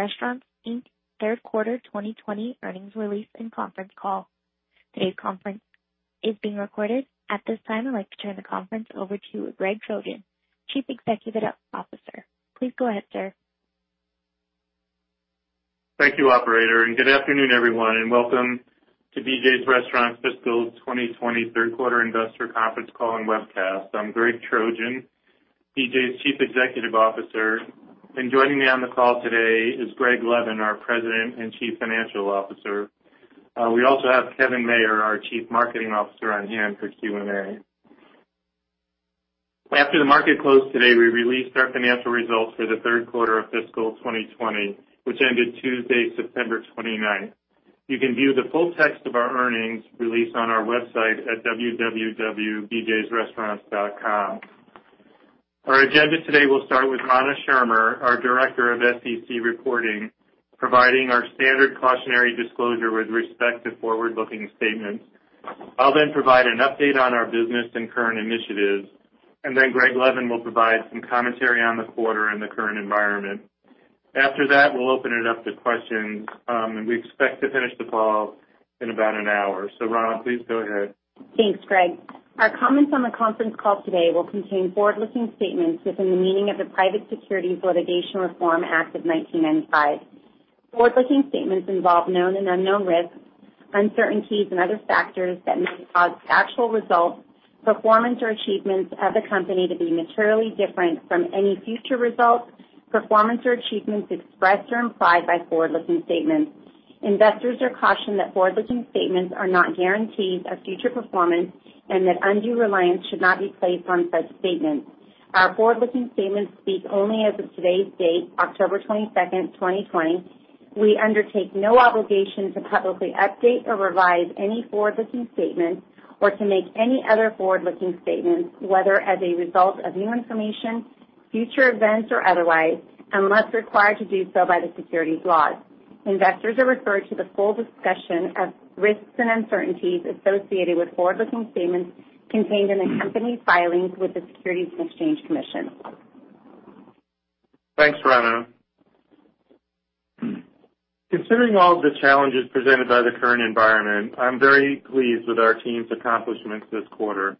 Good day and welcome to BJ's Restaurants, Inc., third quarter 2020 earnings release and conference call. Today's conference is being recorded. At this time, I'd like to turn the conference over to Greg Trojan, Chief Executive Officer. Please go ahead, sir. Thank you, operator. Good afternoon, everyone, and welcome to BJ's Restaurants fiscal 2020 third quarter investor conference call and webcast. I'm Greg Trojan, BJ's Chief Executive Officer, and joining me on the call today is Greg Levin, our President and Chief Financial Officer. We also have Kevin Mayer, our Chief Marketing Officer, on hand for Q&A. After the market closed today, we released our financial results for the third quarter of fiscal 2020, which ended Tuesday, September 29th. You can view the full text of our earnings release on our website at www.bjsrestaurants.com. Our agenda today will start with Rana Schirmer, our Director of SEC Reporting, providing our standard cautionary disclosure with respect to forward-looking statements. I'll then provide an update on our business and current initiatives. Then Greg Levin will provide some commentary on the quarter and the current environment. After that, we'll open it up to questions, and we expect to finish the call in about an hour. Rana, please go ahead. Thanks, Greg. Our comments on the conference call today will contain forward-looking statements within the meaning of the Private Securities Litigation Reform Act of 1995. Forward-looking statements involve known and unknown risks, uncertainties, and other factors that may cause actual results, performance or achievements of the company to be materially different from any future results, performance or achievements expressed or implied by forward-looking statements. Investors are cautioned that forward-looking statements are not guarantees of future performance and that undue reliance should not be placed on such statements. Our forward-looking statements speak only as of today's date, October 22nd, 2020. We undertake no obligation to publicly update or revise any forward-looking statements or to make any other forward-looking statements, whether as a result of new information, future events or otherwise, unless required to do so by the securities laws. Investors are referred to the full discussion of risks and uncertainties associated with forward-looking statements contained in the company's filings with the Securities and Exchange Commission. Thanks, Rana. Considering all of the challenges presented by the current environment, I'm very pleased with our team's accomplishments this quarter.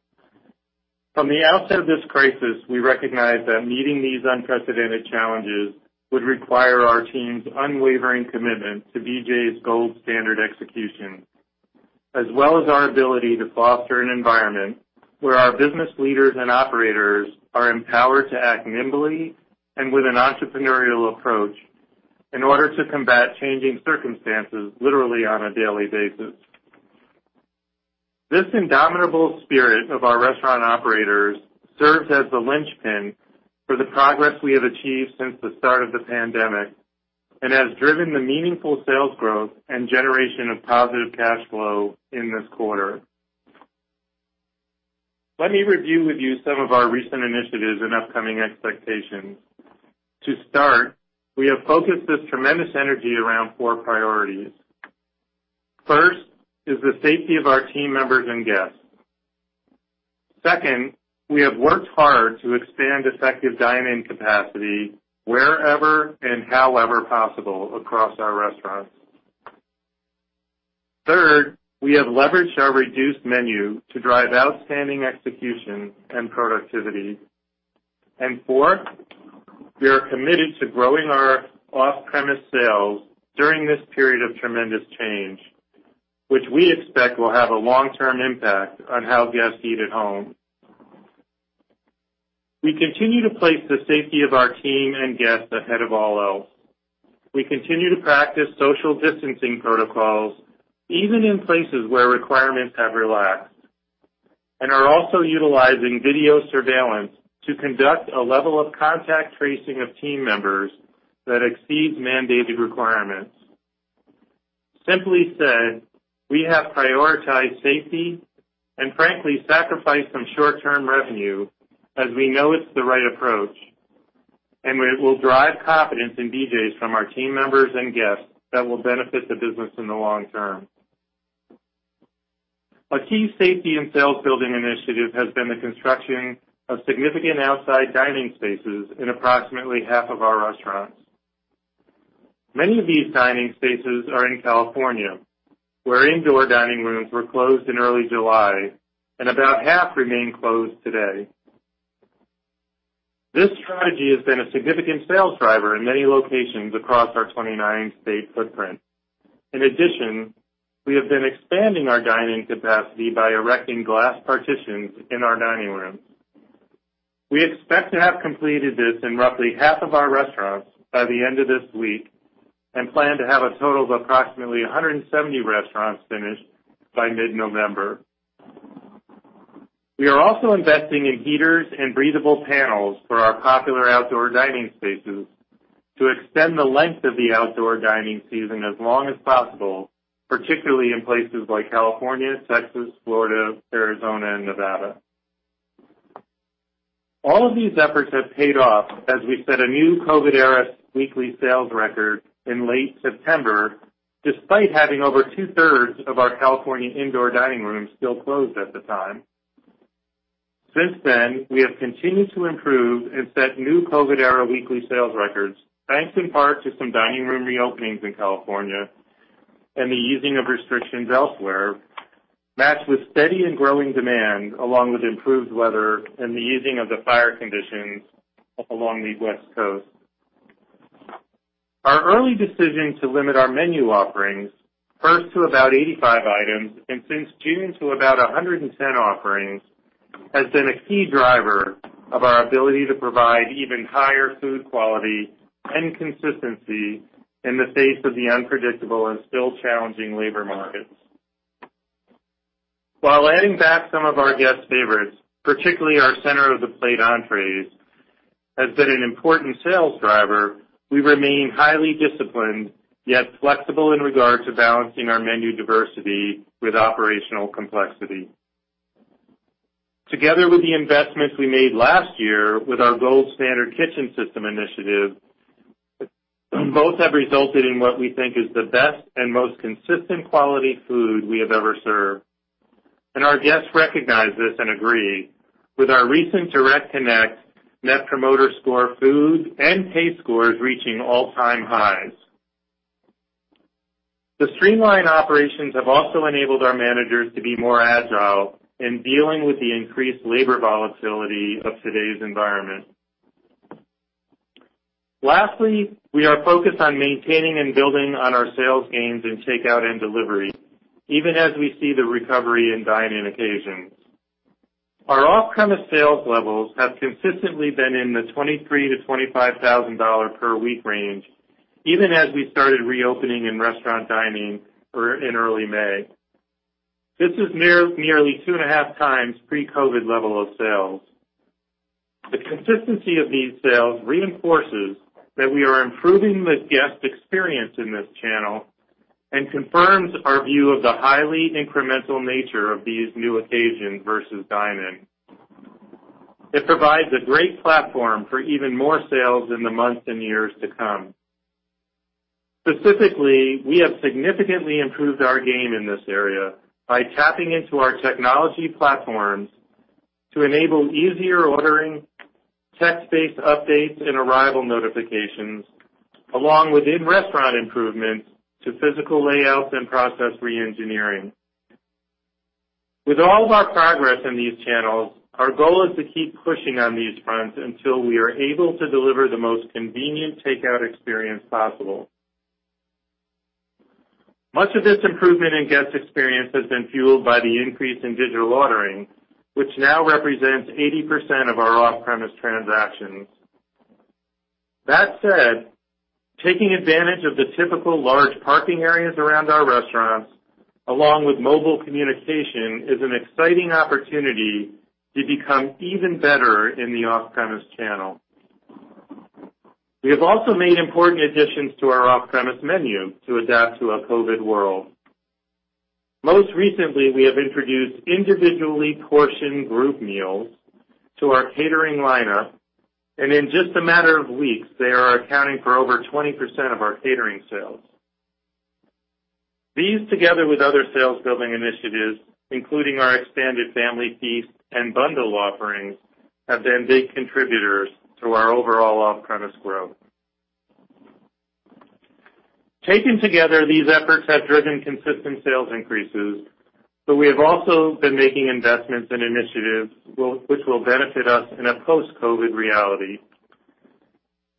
From the outset of this crisis, we recognized that meeting these unprecedented challenges would require our team's unwavering commitment to BJ's gold standard execution, as well as our ability to foster an environment where our business leaders and operators are empowered to act nimbly and with an entrepreneurial approach in order to combat changing circumstances literally on a daily basis. This indomitable spirit of our restaurant operators serves as the linchpin for the progress we have achieved since the start of the pandemic and has driven the meaningful sales growth and generation of positive cash flow in this quarter. Let me review with you some of our recent initiatives and upcoming expectations. To start, we have focused this tremendous energy around four priorities. First is the safety of our team members and guests. Second, we have worked hard to expand effective dine-in capacity wherever and however possible across our restaurants. Third, we have leveraged our reduced menu to drive outstanding execution and productivity. Fourth, we are committed to growing our off-premise sales during this period of tremendous change, which we expect will have a long-term impact on how guests eat at home. We continue to place the safety of our team and guests ahead of all else. We continue to practice social distancing protocols, even in places where requirements have relaxed, and are also utilizing video surveillance to conduct a level of contact tracing of team members that exceeds mandated requirements. Simply said, we have prioritized safety and frankly sacrificed some short-term revenue as we know it's the right approach, and it will drive confidence in BJ's from our team members and guests that will benefit the business in the long term. A key safety and sales-building initiative has been the construction of significant outside dining spaces in approximately half of our restaurants. Many of these dining spaces are in California, where indoor dining rooms were closed in early July and about half remain closed today. This strategy has been a significant sales driver in many locations across our 29-state footprint. In addition, we have been expanding our dining capacity by erecting glass partitions in our dining rooms. We expect to have completed this in roughly half of our restaurants by the end of this week and plan to have a total of approximately 170 restaurants finished by mid-November. We are also investing in heaters and breathable panels for our popular outdoor dining spaces to extend the length of the outdoor dining season as long as possible, particularly in places like California, Texas, Florida, Arizona, and Nevada. All of these efforts have paid off as we set a new COVID-era weekly sales record in late September, despite having over 2/3 of our California indoor dining rooms still closed at the time. Since then, we have continued to improve and set new COVID-era weekly sales records, thanks in part to some dining room reopening in California and the easing of restrictions elsewhere, matched with steady and growing demand, along with improved weather and the easing of the fire conditions along the West Coast. Our early decision to limit our menu offerings first to about 85 items, and since June, to about 110 offerings, has been a key driver of our ability to provide even higher food quality and consistency in the face of the unpredictable and still challenging labor markets. While adding back some of our guest favorites, particularly our center-of-the-plate entrees, has been an important sales driver, we remain highly disciplined, yet flexible in regard to balancing our menu diversity with operational complexity. Together with the investments we made last year with our Gold Standard Kitchen System initiative, both have resulted in what we think is the best and most consistent quality food we have ever served. Our guests recognize this and agree with our recent Direct Connect, Net Promoter score, food and taste scores reaching all-time highs. The streamlined operations have also enabled our managers to be more agile in dealing with the increased labor volatility of today's environment. Lastly, we are focused on maintaining and building on our sales gains in takeout and delivery, even as we see the recovery in dine-in occasions. Our off-premise sales levels have consistently been in the $23,000-$25,000 per week range, even as we started reopening in-restaurant dining in early May. This is nearly 2.5x pre-COVID level of sales. The consistency of these sales reinforces that we are improving the guest experience in this channel and confirms our view of the highly incremental nature of these new occasions versus dine-in. It provides a great platform for even more sales in the months and years to come. Specifically, we have significantly improved our game in this area by tapping into our technology platforms to enable easier ordering, text-based updates, and arrival notifications, along with in-restaurant improvements to physical layouts and process reengineering. With all of our progress in these channels, our goal is to keep pushing on these fronts until we are able to deliver the most convenient takeout experience possible. Much of this improvement in guest experience has been fueled by the increase in digital ordering, which now represents 80% of our off-premise transactions. That said, taking advantage of the typical large parking areas around our restaurants, along with mobile communication, is an exciting opportunity to become even better in the off-premise channel. We have also made important additions to our off-premise menu to adapt to a COVID world. Most recently, we have introduced individually portioned group meals to our catering lineup, and in just a matter of weeks, they are accounting for over 20% of our catering sales. These, together with other sales-building initiatives, including our expanded Family Feast and bundle offerings, have been big contributors to our overall off-premise growth. Taken together, these efforts have driven consistent sales increases, but we have also been making investments in initiatives which will benefit us in a post-COVID reality.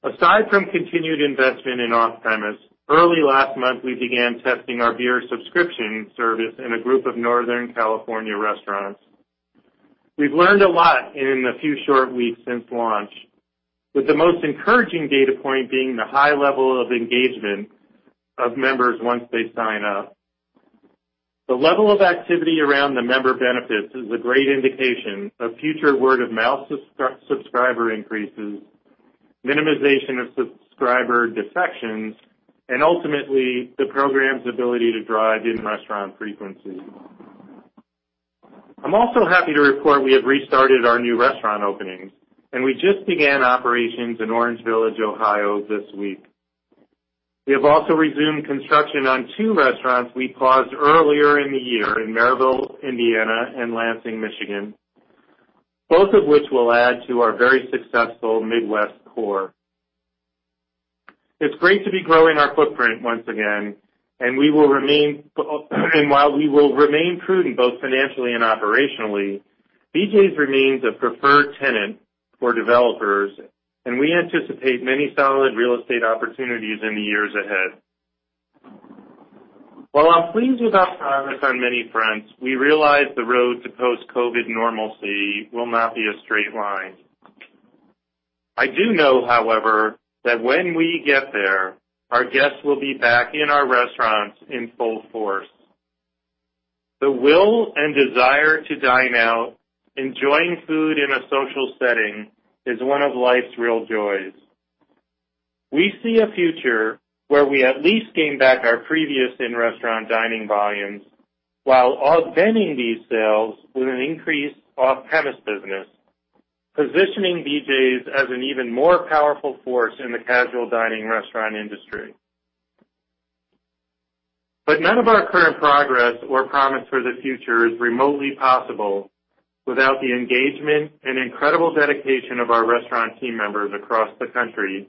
Aside from continued investment in off-premise, early last month, we began testing our beer subscription service in a group of Northern California restaurants. We've learned a lot in the few short weeks since launch, with the most encouraging data point being the high level of engagement of members once they sign up. The level of activity around the member benefits is a great indication of future word-of-mouth subscriber increases, minimization of subscriber defections, and ultimately, the program's ability to drive in-restaurant frequency. I'm also happy to report we have restarted our new restaurant openings, and we just began operations in Orange Village, Ohio this week. We have also resumed construction on two restaurants we paused earlier in the year in Merrillville, Indiana, and Lansing, Michigan, both of which will add to our very successful Midwest core. It's great to be growing our footprint once again, and while we will remain prudent both financially and operationally, BJ's remains a preferred tenant for developers, and we anticipate many solid real estate opportunities in the years ahead. While I'm pleased with our progress on many fronts, we realize the road to post-COVID normalcy will not be a straight line. I do know, however, that when we get there, our guests will be back in our restaurants in full force. The will and desire to dine out, enjoying food in a social setting is one of life's real joys. We see a future where we at least gain back our previous in-restaurant dining volumes while augmenting these sales with an increased off-premise business, positioning BJ's as an even more powerful force in the casual dining restaurant industry. None of our current progress or promise for the future is remotely possible without the engagement and incredible dedication of our restaurant team members across the country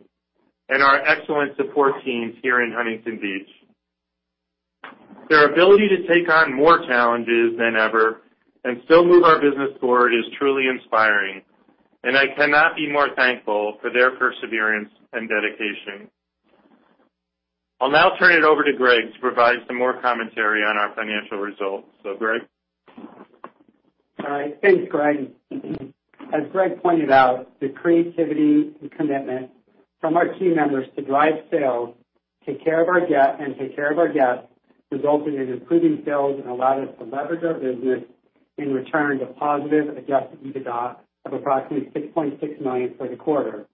and our excellent support teams here in Huntington Beach. Their ability to take on more challenges than ever and still move our business forward is truly inspiring, and I cannot be more thankful for their perseverance and dedication. I'll now turn it over to Greg to provide some more commentary on our financial results. So Greg? All right. Thanks, Greg. As Greg pointed out, the creativity and commitment from our team members to drive sales, take care of our debt, and take care of our guests resulted in improving sales and allowed us to leverage our business in return to positive adjusted EBITDA of approximately $6.6 million for the quarter.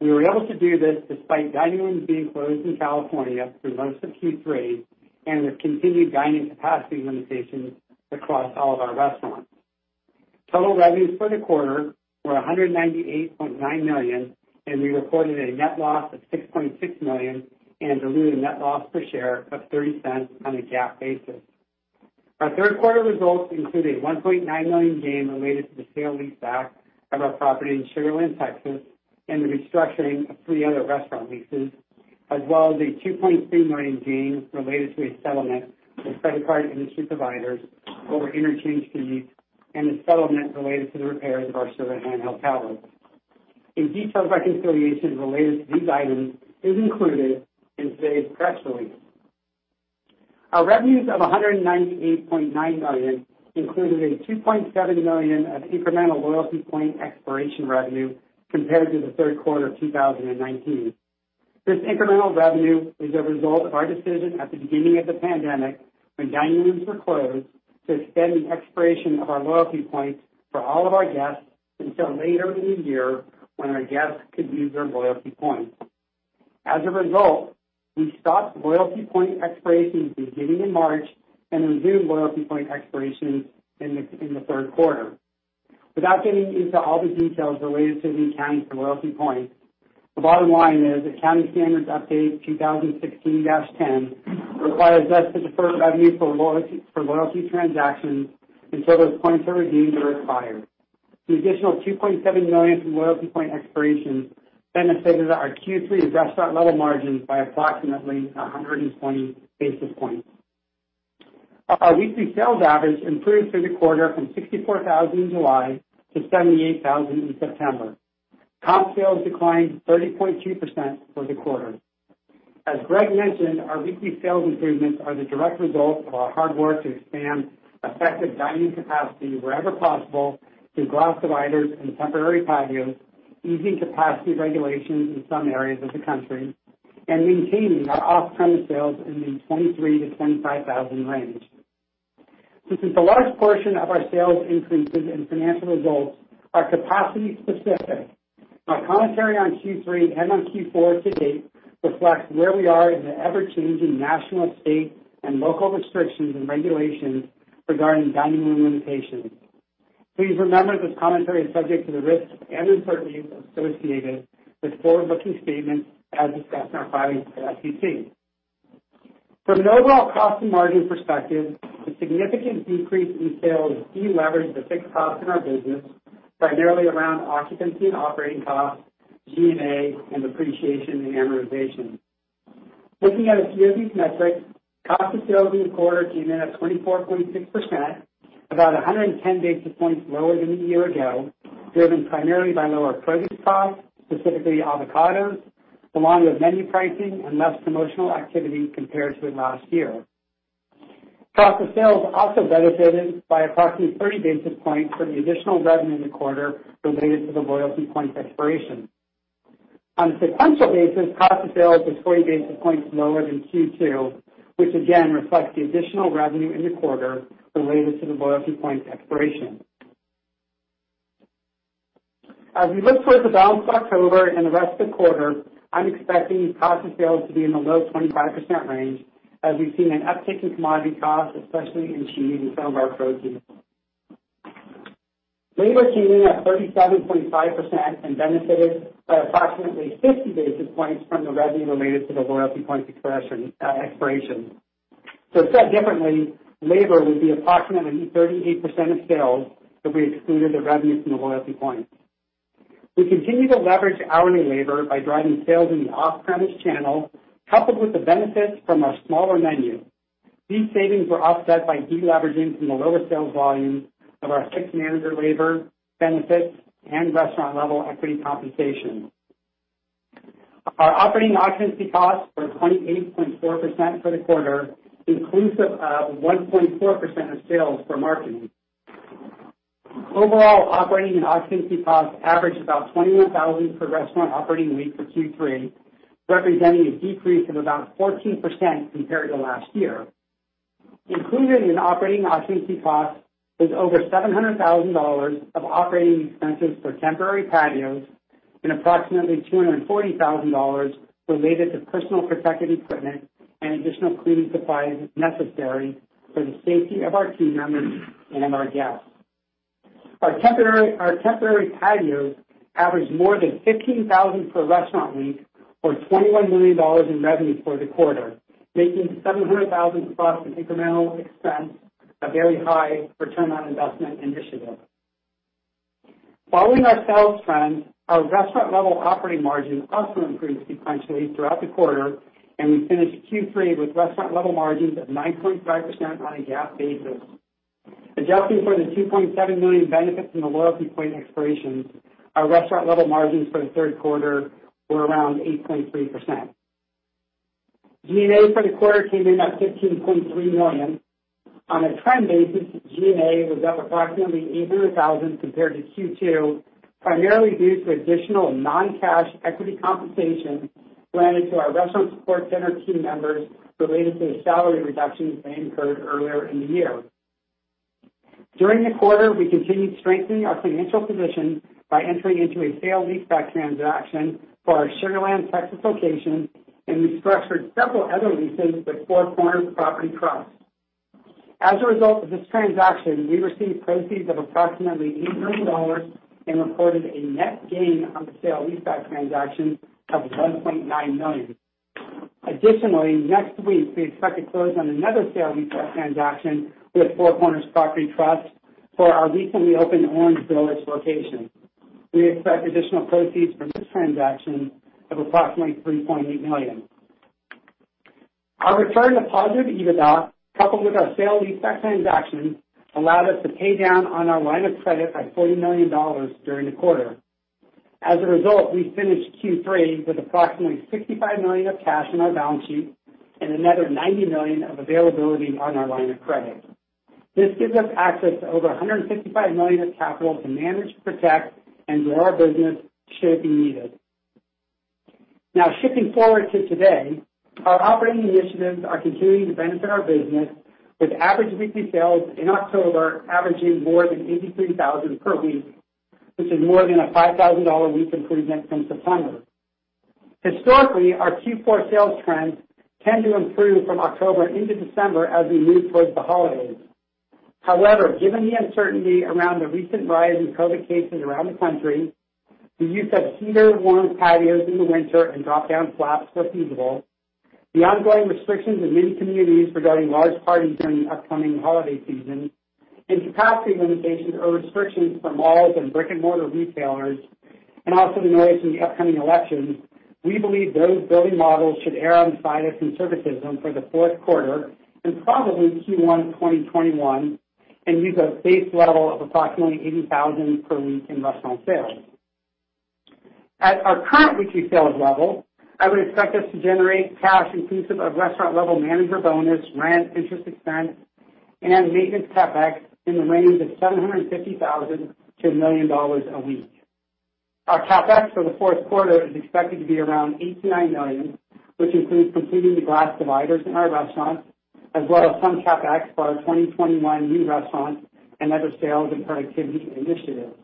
We were able to do this despite dining rooms being closed in California through most of Q3 and with continued dining capacity limitations across all of our restaurants. Total revenues for the quarter were $198.9 million, and we reported a net loss of $6.6 million and diluted net loss per share of $0.30 on a GAAP basis. Our third quarter results include a $1.9 million gain related to the sale leaseback of our property in Sugar Land, Texas, and the restructuring of three other restaurant leases, as well as a $2.3 million gain related to a settlement with credit card industry providers over interchange fees and a settlement related to the repairs of our server handheld tablets. A detailed reconciliation related to these items is included in today's press release. Our revenues of $198.9 million included a $2.7 million of incremental loyalty point expiration revenue compared to the third quarter of 2019. This incremental revenue is a result of our decision at the beginning of the pandemic, when dining rooms were closed, to extend the expiration of our loyalty points for all of our guests until later in the year when our guests could use their loyalty points. As a result, we stopped loyalty point expirations beginning in March and resumed loyalty point expirations in the third quarter. Without getting into all the details related to the accounting for loyalty points, the bottom line is Accounting Standards Update 2016-10 requires us to defer revenue for loyalty transactions until those points are redeemed or expired. The additional $2.7 million from loyalty point expirations benefited our Q3 restaurant level margins by approximately 120 basis points. Our weekly sales average improved through the quarter from $64,000 in July to $78,000 in September. Comp sales declined 30.2% for the quarter. As Greg mentioned, our weekly sales improvements are the direct result of our hard work to expand effective dining capacity wherever possible through glass dividers and temporary patios, easing capacity regulations in some areas of the country, and maintaining our off-premise sales in the $23,000-$25,000 range. Since a large portion of our sales increases and financial results are capacity specific, our commentary on Q3 and on Q4 to date reflects where we are in the ever-changing national, state, and local restrictions and regulations regarding dining room limitations. Please remember this commentary is subject to the risks and uncertainties associated with forward-looking statements as discussed in our filings with the SEC. From an overall cost and margin perspective, the significant decrease in sales deleveraged the fixed costs in our business, primarily around occupancy and operating costs, G&A, and depreciation and amortization. Looking at a few of these metrics, cost of sales in the quarter came in at 24.6%, about 110 basis points lower than a year ago, driven primarily by lower produce costs, specifically avocados, along with menu pricing and less promotional activity compared to last year. Cost of sales also benefited by approximately 30 basis points from the additional revenue in the quarter related to the loyalty points expiration. On a sequential basis, cost of sales was 40 basis points lower than Q2, which again reflects the additional revenue in the quarter related to the loyalty points expiration. As we look toward the balance of October and the rest of the quarter, I'm expecting cost of sales to be in the low 25% range as we've seen an uptick in commodity costs, especially in cheese and some of our produce. Labor came in at 37.5% and benefited by approximately 50 basis points from the revenue related to the loyalty points expiration. Said differently, labor would be approximately 38% of sales had we excluded the revenues from the loyalty points. We continue to leverage hourly labor by driving sales in the off-premise channel, coupled with the benefits from our smaller menu. These savings were offset by deleveraging from the lower sales volumes of our fixed manager labor benefits and restaurant-level equity compensation. Our operating occupancy costs were 28.4% for the quarter, inclusive of 1.4% of sales for marketing. Overall, operating and occupancy costs averaged about $21,000 per restaurant operating week for Q3, representing a decrease of about 14% compared to last year. Included in operating occupancy costs is over $700,000 of operating expenses for temporary patios and approximately $240,000 related to personal protective equipment and additional cleaning supplies necessary for the safety of our team members and our guests. Our temporary patios averaged more than 15,000 per restaurant week or $21 million in revenue for the quarter, making 700,000+ in incremental expense a very high return on investment initiative. Following our sales trends, our restaurant level operating margin also increased sequentially throughout the quarter, and we finished Q3 with restaurant level margins of 9.5% on a GAAP basis. Adjusting for the $2.7 million benefit from the loyalty point expirations, our restaurant level margins for the third quarter were around 8.3%. G&A for the quarter came in at $15.3 million. On a trend basis, G&A was up approximately $800,000 compared to Q2, primarily due to additional non-cash equity compensation granted to our restaurant support center team members related to the salary reductions they incurred earlier in the year. During the quarter, we continued strengthening our financial position by entering into a sale leaseback transaction for our Sugar Land, Texas location, and restructured several other leases with Four Corners Property Trust. As a result of this transaction, we received proceeds of approximately $8 million and reported a net gain on the sale leaseback transaction of $1.9 million. Additionally, next week, we expect to close on another sale leaseback transaction with Four Corners Property Trust for our recently opened Orange Village location. We expect additional proceeds from this transaction of approximately $3.8 million. Our return to positive EBITDA, coupled with our sale leaseback transaction, allowed us to pay down on our line of credit by $40 million during the quarter. As a result, we finished Q3 with approximately $65 million of cash on our balance sheet and another $90 million of availability on our line of credit. This gives us access to over $165 million of capital to manage, protect, and grow our business should it be needed. Now, shifting forward to today, our operating initiatives are continuing to benefit our business with average weekly sales in October averaging more than $83,000 per week, which is more than a $5,000 a week improvement from September. Historically, our Q4 sales trends tend to improve from October into December as we move towards the holidays. However, given the uncertainty around the recent rise in COVID cases around the country, the use of heater-warm patios in the winter and drop-down flaps where feasible, the ongoing restrictions in many communities regarding large parties during the upcoming holiday season, and capacity limitations or restrictions from malls and brick and mortar retailers, and also the noise from the upcoming elections, we believe those building models should err on the side of conservatism for the fourth quarter and probably Q1 2021, and use a base level of approximately $80,000 per week in restaurant sales. At our current weekly sales level, I would expect us to generate cash inclusive of restaurant level manager bonus, rent, interest expense, and maintenance CapEx in the range of $750,000-$1 million a week. Our CapEx for the fourth quarter is expected to be around [$89] million, which includes completing the glass dividers in our restaurants, as well as some CapEx for our 2021 new restaurants and other sales and productivity initiatives.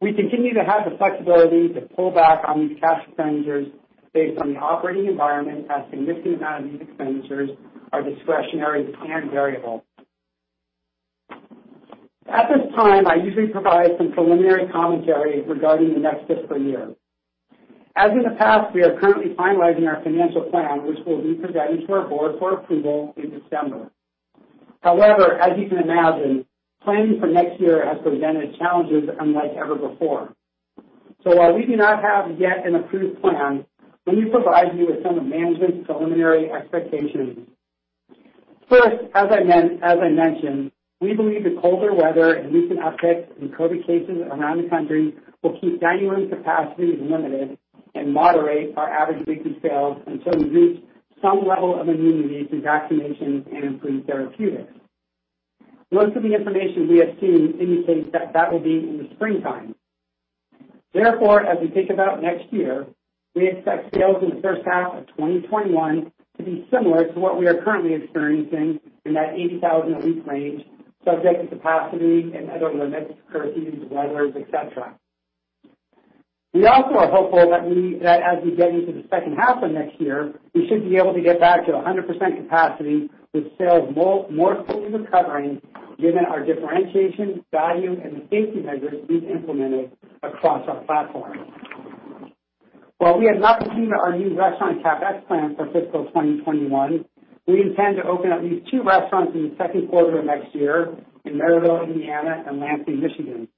We continue to have the flexibility to pull back on these cash expenditures based on the operating environment, as significant amount of these expenditures are discretionary and variable. At this time, I usually provide some preliminary commentary regarding the next fiscal year. As in the past, we are currently finalizing our financial plan, which will be presented to our board for approval in December. However, as you can imagine, planning for next year has presented challenges unlike ever before. While we do not have yet an approved plan, let me provide you with some of management's preliminary expectations. First, as I mentioned, we believe the colder weather and recent uptick in COVID cases around the country will keep dining room capacity limited and moderate our average weekly sales until we reach some level of immunity through vaccinations and improved therapeutics. Most of the information we have seen indicates that that will be in the springtime. As we think about next year, we expect sales in the first half of 2021 to be similar to what we are currently experiencing in that $80,000 a week range, subject to capacity and other limits, current weathers, et cetera. We also are hopeful that as we get into the second half of next year, we should be able to get back to 100% capacity with sales more fully recovering given our differentiation, value, and the safety measures we've implemented across our platform. While we have not completed our new restaurant CapEx plan for fiscal 2021, we intend to open at least two restaurants in the second quarter of next year in Merrillville, Indiana and Lansing, Michigan.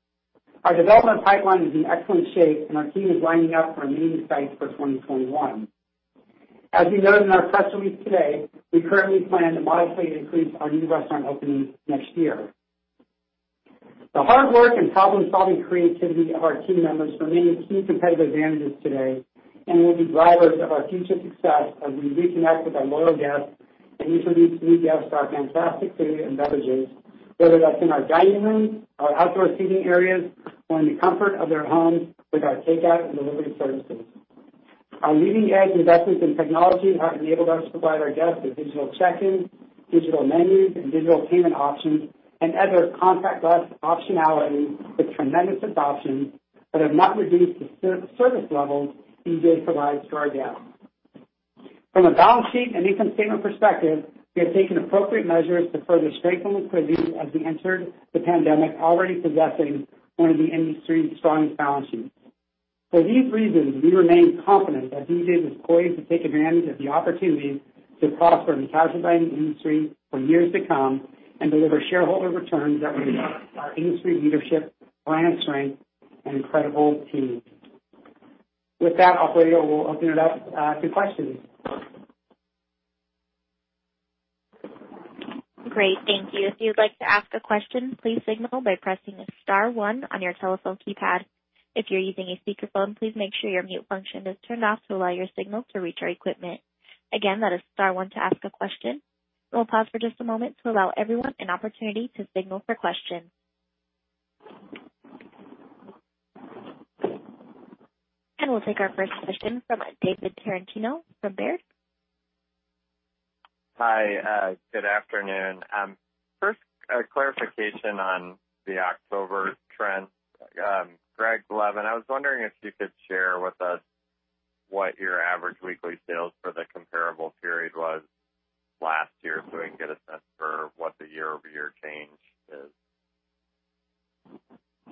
Our development pipeline is in excellent shape and our team is lining up our remaining sites for 2021. As we noted in our press release today, we currently plan to modestly increase our new restaurant openings next year. The hard work and problem-solving creativity of our team members remain a key competitive advantage today and will be drivers of our future success as we reconnect with our loyal guests and introduce new guests to our fantastic food and beverages, whether that's in our dining room, our outdoor seating areas, or in the comfort of their homes with our takeout and delivery services. Our leading edge investments in technology have enabled us to provide our guests with digital check-in, digital menus, and digital payment options and other contactless optionality with tremendous adoption that have not reduced the service levels BJ provides to our guests. From a balance sheet and income statement perspective, we have taken appropriate measures to further strengthen liquidity as we entered the pandemic already possessing one of the industry's strongest balance sheets. For these reasons, we remain confident that BJ's is poised to take advantage of the opportunities to prosper in the casual dining industry for years to come and deliver shareholder returns that reflect our industry leadership, balance strength, and incredible team. With that, operator, we'll open it up to questions. Great, thank you. If you would like to ask a question, please signal by pressing star one on your telephone keypad. If you using a speaker phone please make sure your mute We'll take our first question from David Tarantino from Baird. Hi, good afternoon. First, a clarification on the October trends. Greg Levin, I was wondering if you could share with us what your average weekly sales for the comparable period was last year so we can get a sense for what the year-over-year change is.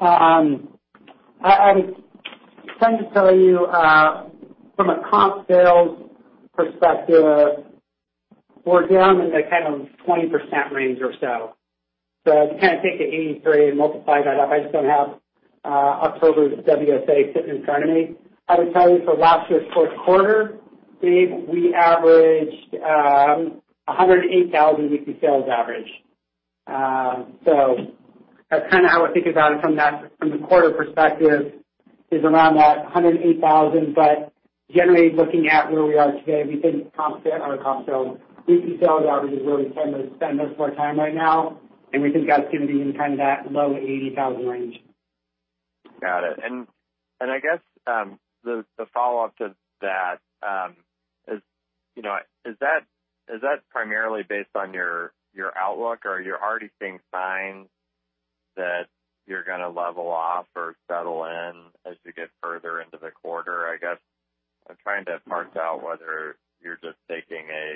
I'm trying to tell you from a comp sales perspective, we're down in the 20% range or so. If you take the $83 and multiply that up, I just don't have October's WSA sitting in front of me. I would tell you for last year's fourth quarter, Dave, we averaged $108,000 weekly sales average. That's how I would think about it from the quarter perspective is around that $108,000. Generally looking at where we are today, we think comp sales, weekly sales average is where we spend most of our time right now, and we think that's going to be in that low $80,000 range. Got it. And I guess the follow-up to that is that primarily based on your outlook, or are you already seeing signs that you're going to level off or settle in as we get further into the quarter? I guess I'm trying to parse out whether you're just taking a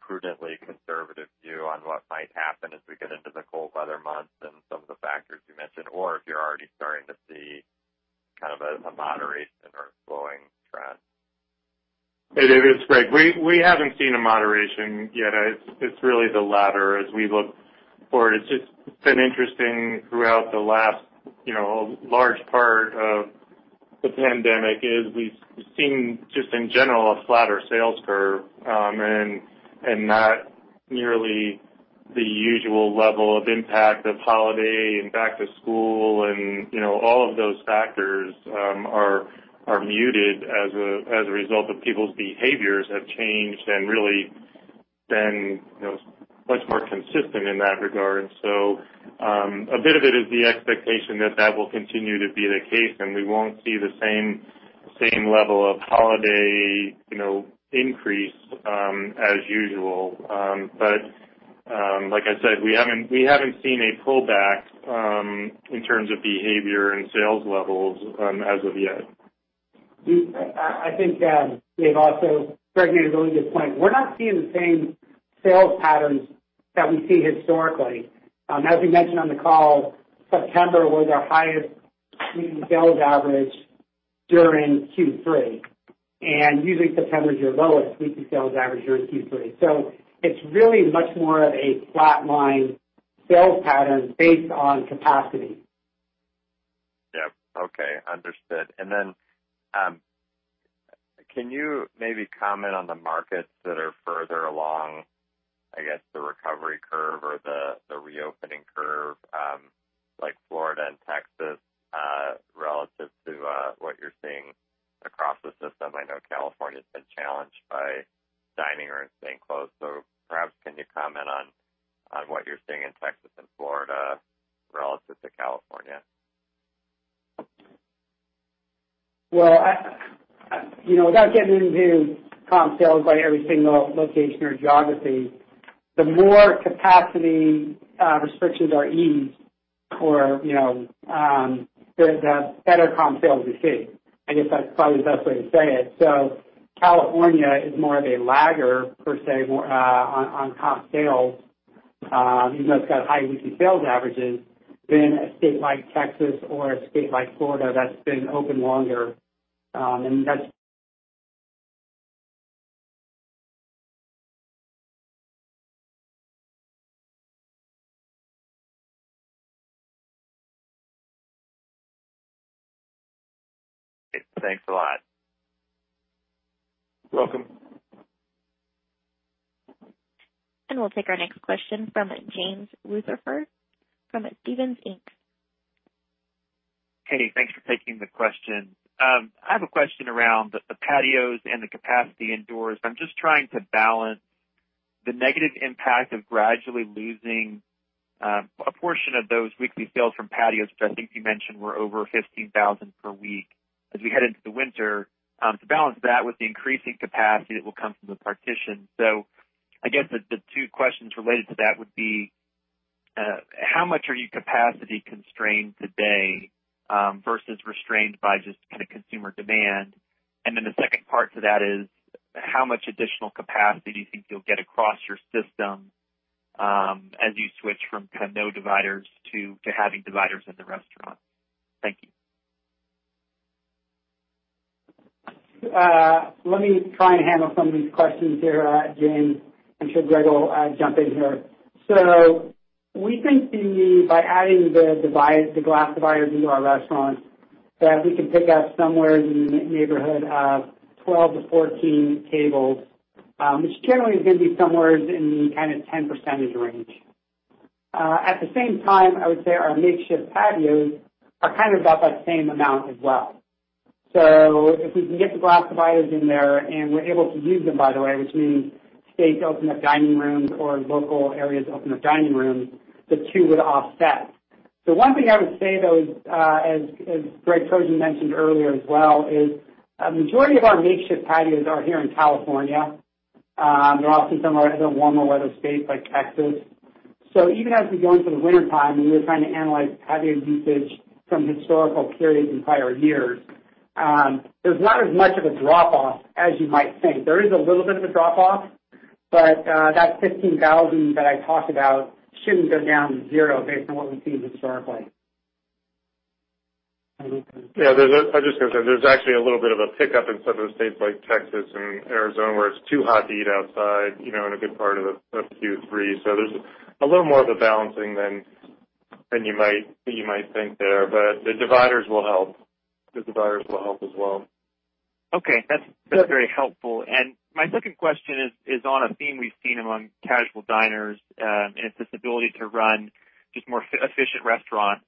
prudently conservative view on what might happen as we get into the cold weather months and some of the factors you mentioned, or if you're already starting to see a moderation or slowing trend. It is, Greg. We haven't seen a moderation yet. It's really the latter as we look forward. It's just been interesting throughout the last large part of the pandemic is we've seen, just in general, a flatter sales curve and not nearly the usual level of impact of holiday and back to school and all of those factors are muted as a result of people's behaviors have changed and really been much more consistent in that regard. A bit of it is the expectation that that will continue to be the case and we won't see the same level of holiday increase as usual. Like I said, we haven't seen a pullback in terms of behavior and sales levels as of yet. I think, Dave, also Greg made a really good point. We're not seeing the same sales patterns that we see historically. As we mentioned on the call, September was our highest weekly sales average during Q3, and usually September is your lowest weekly sales average during Q3. It's really much more of a flatline sales pattern based on capacity. Okay. Understood. Can you maybe comment on the markets that are further along, I guess, the recovery curve or the reopening curve, like Florida and Texas relative to what you're seeing across the system? I know California's been challenged by dining rooms staying closed, perhaps can you comment on what you're seeing in Texas and Florida relative to California? Well, without getting into comp sales by every single location or geography, the more capacity restrictions are eased or the better comp sales we see. I guess that's probably the best way to say it. California is more of a lagger per se on comp sales even though it's got high weekly sales averages than a state like Texas or a state like Florida that's been open longer. Thanks a lot. Welcome. We'll take our next question from James Rutherford from Stephens Inc. Katie, thanks for taking the question. I have a question around the patios and the capacity indoors. I'm just trying to balance the negative impact of gradually losing a portion of those weekly sales from patios, which I think you mentioned were over 15,000 per week as we head into the winter, to balance that with the increasing capacity that will come from the partition. I guess the two questions related to that would be. How much are you capacity constrained today, versus restrained by just consumer demand? The second part to that is how much additional capacity do you think you'll get across your system as you switch from no dividers to having dividers in the restaurant? Thank you. Let me try and handle some of these questions here, James, and should Greg will jump in here. We think by adding the glass dividers into our restaurants, that we can pick up somewhere in the neighborhood of 12-14 tables, which generally is going to be somewhere in the 10% range. At the same time, I would say our makeshift patios are about that same amount as well. If we can get the glass dividers in there and we're able to use them, by the way, which means states open up dining rooms or local areas open up dining rooms, the two would offset. The one thing I would say, though, is, as Greg Trojan mentioned earlier as well is, a majority of our makeshift patios are here in California. They're also similar in other warmer weather states like Texas. Even as we go into the wintertime, and we were trying to analyze patio usage from historical periods entire years, there's not as much of a drop-off as you might think. There is a little bit of a drop-off, but that 15,000 that I talked about shouldn't go down to 0 based on what we've seen historically. Yeah. I was just going to say, there's actually a little bit of a pickup in some of the states like Texas and Arizona, where it's too hot to eat outside in a good part of Q3. There's a little more of a balancing than you might think there. The dividers will help as well. Okay. That's very helpful. My second question is on a theme we've seen among casual diners, and it's this ability to run just more efficient restaurants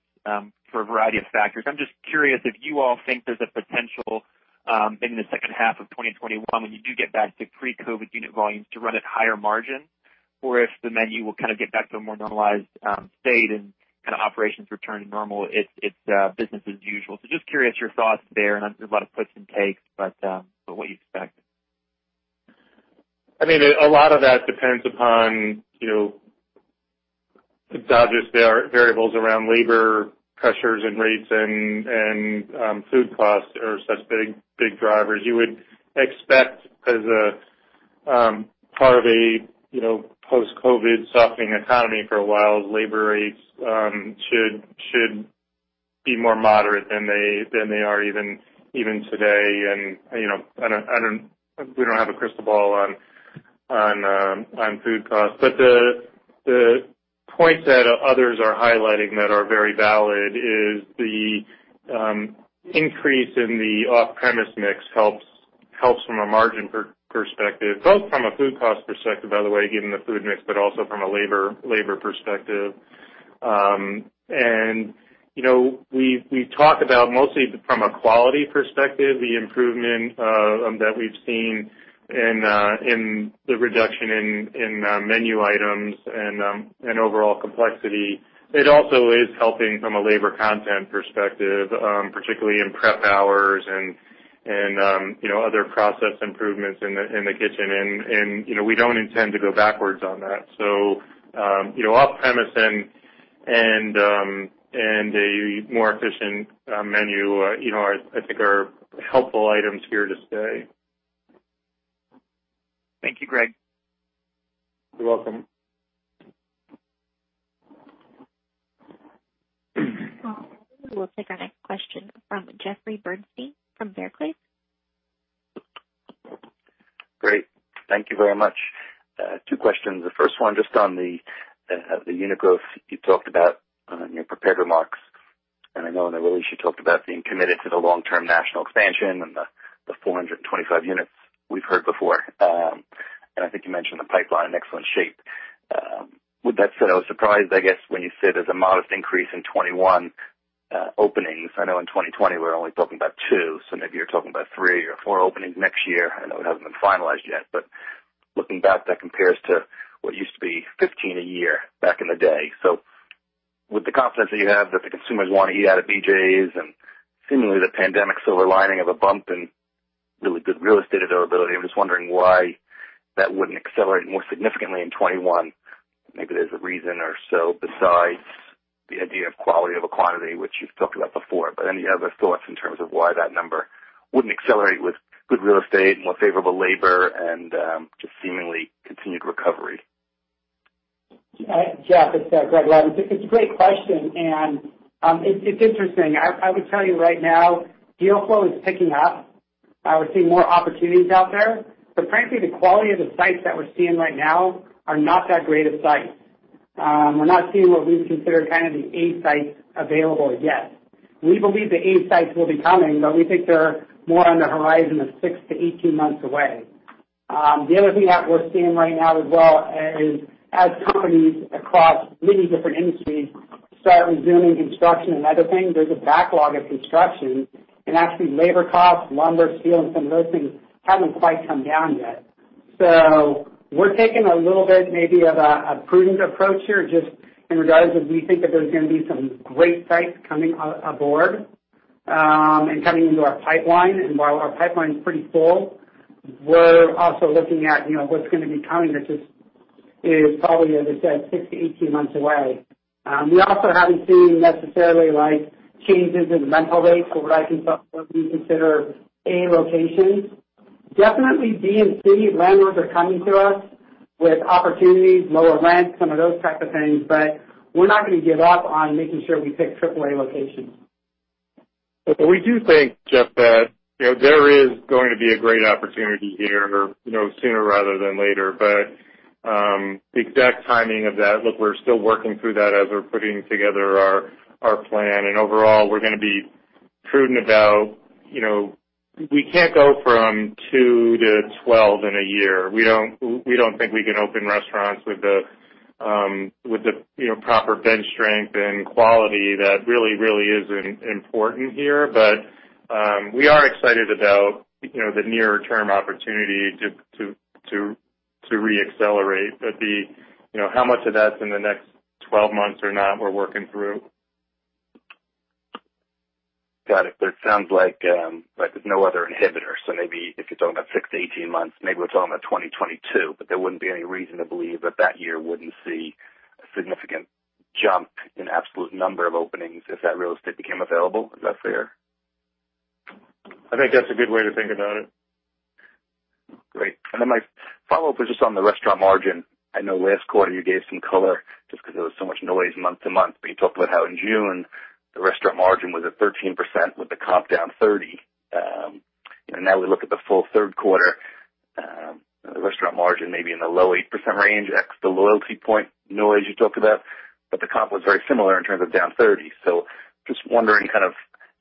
for a variety of factors. I'm just curious if you all think there's a potential in the second half of 2021, when you do get back to pre-COVID unit volumes to run at higher margin, or if the menu will get back to a more normalized state and operations return to normal, it's business as usual. Just curious your thoughts there, and I know there's a lot of puts and takes, but what you expect. A lot of that depends upon obvious variables around labor pressures and rates and food costs are such big drivers. You would expect, as a part of a post-COVID softening economy for a while, labor rates should be more moderate than they are even today. We don't have a crystal ball on food costs. The points that others are highlighting that are very valid is the increase in the off-premise mix helps from a margin perspective, both from a food cost perspective, by the way, given the food mix, but also from a labor perspective. We talk about mostly from a quality perspective, the improvement that we've seen in the reduction in menu items and overall complexity. It also is helping from a labor content perspective, particularly in prep hours and other process improvements in the kitchen. We don't intend to go backwards on that. Off-premise and a more efficient menu, I think, are helpful items here to stay. Thank you, Greg. You're welcome. We'll take our next question from Jeffrey Bernstein from Barclays. Great. Thank you very much. Two questions. The first one, just on the unit growth you talked about in your prepared remarks. I know in the release you talked about being committed to the long-term national expansion and the 425 units we've heard before. I think you mentioned the pipeline in excellent shape. With that said, I was surprised, I guess, when you said there's a modest increase in 2021 openings. I know in 2020, we're only talking about two. Maybe you're talking about three or four openings next year. I know it hasn't been finalized yet. Looking back, that compares to what used to be 15 a year back in the day. With the confidence that you have that the consumers want to eat out at BJ's and seemingly the pandemic silver lining of a bump and really good real estate availability, I'm just wondering why that wouldn't accelerate more significantly in 2021. Maybe there's a reason or so besides the idea of quality over quantity, which you've talked about before. Any other thoughts in terms of why that number wouldn't accelerate with good real estate, more favorable labor, and just seemingly continued recovery? Jeff, it's Greg Levin. It's a great question, and it's interesting. I would tell you right now, deal flow is picking up. We're seeing more opportunities out there. Frankly, the quality of the sites that we're seeing right now are not that great of sites. We're not seeing what we would consider the A sites available yet. We believe the A sites will be coming, we think they're more on the horizon of 6-18 months away. The other thing that we're seeing right now as well is as companies across many different industries start resuming construction and other things, there's a backlog of construction, and actually labor costs, lumber, steel, and some of those things haven't quite come down yet. We're taking a little bit maybe of a prudent approach here, just in regards if we think that there's going to be some great sites coming on board. Coming into our pipeline, and while our pipeline's pretty full, we're also looking at what's going to be coming, which is probably, as I said, 6-18 months away. We also haven't seen necessarily changes in the rental rates for what I can comfortably consider A locations. Definitely B and C landlords are coming to us with opportunities, lower rents, some of those types of things, but we're not going to give up on making sure we pick AAA locations. We do think, Jeff, that there is going to be a great opportunity here sooner rather than later. The exact timing of that, look, we're still working through that as we're putting together our plan. Overall, we're going to be prudent. We can't go from 2-12 in a year. We don't think we can open restaurants with the proper bench strength and quality that really is important here. We are excited about the near-term opportunity to re-accelerate. How much of that's in the next 12 months or not, we're working through. Got it. It sounds like there's no other inhibitor, so maybe if you're talking about 6-18 months, maybe we're talking about 2022. There wouldn't be any reason to believe that that year wouldn't see a significant jump in absolute number of openings if that real estate became available. Is that fair? I think that's a good way to think about it. Great. My follow-up is just on the restaurant margin. I know last quarter you gave some color just because there was so much noise month to month, but you talked about how in June, the restaurant margin was at 13% with the comp down 30%. We look at the full third quarter. The restaurant margin may be in the low 8% range, ex the loyalty point noise you talked about, but the comp was very similar in terms of down 30%. Just wondering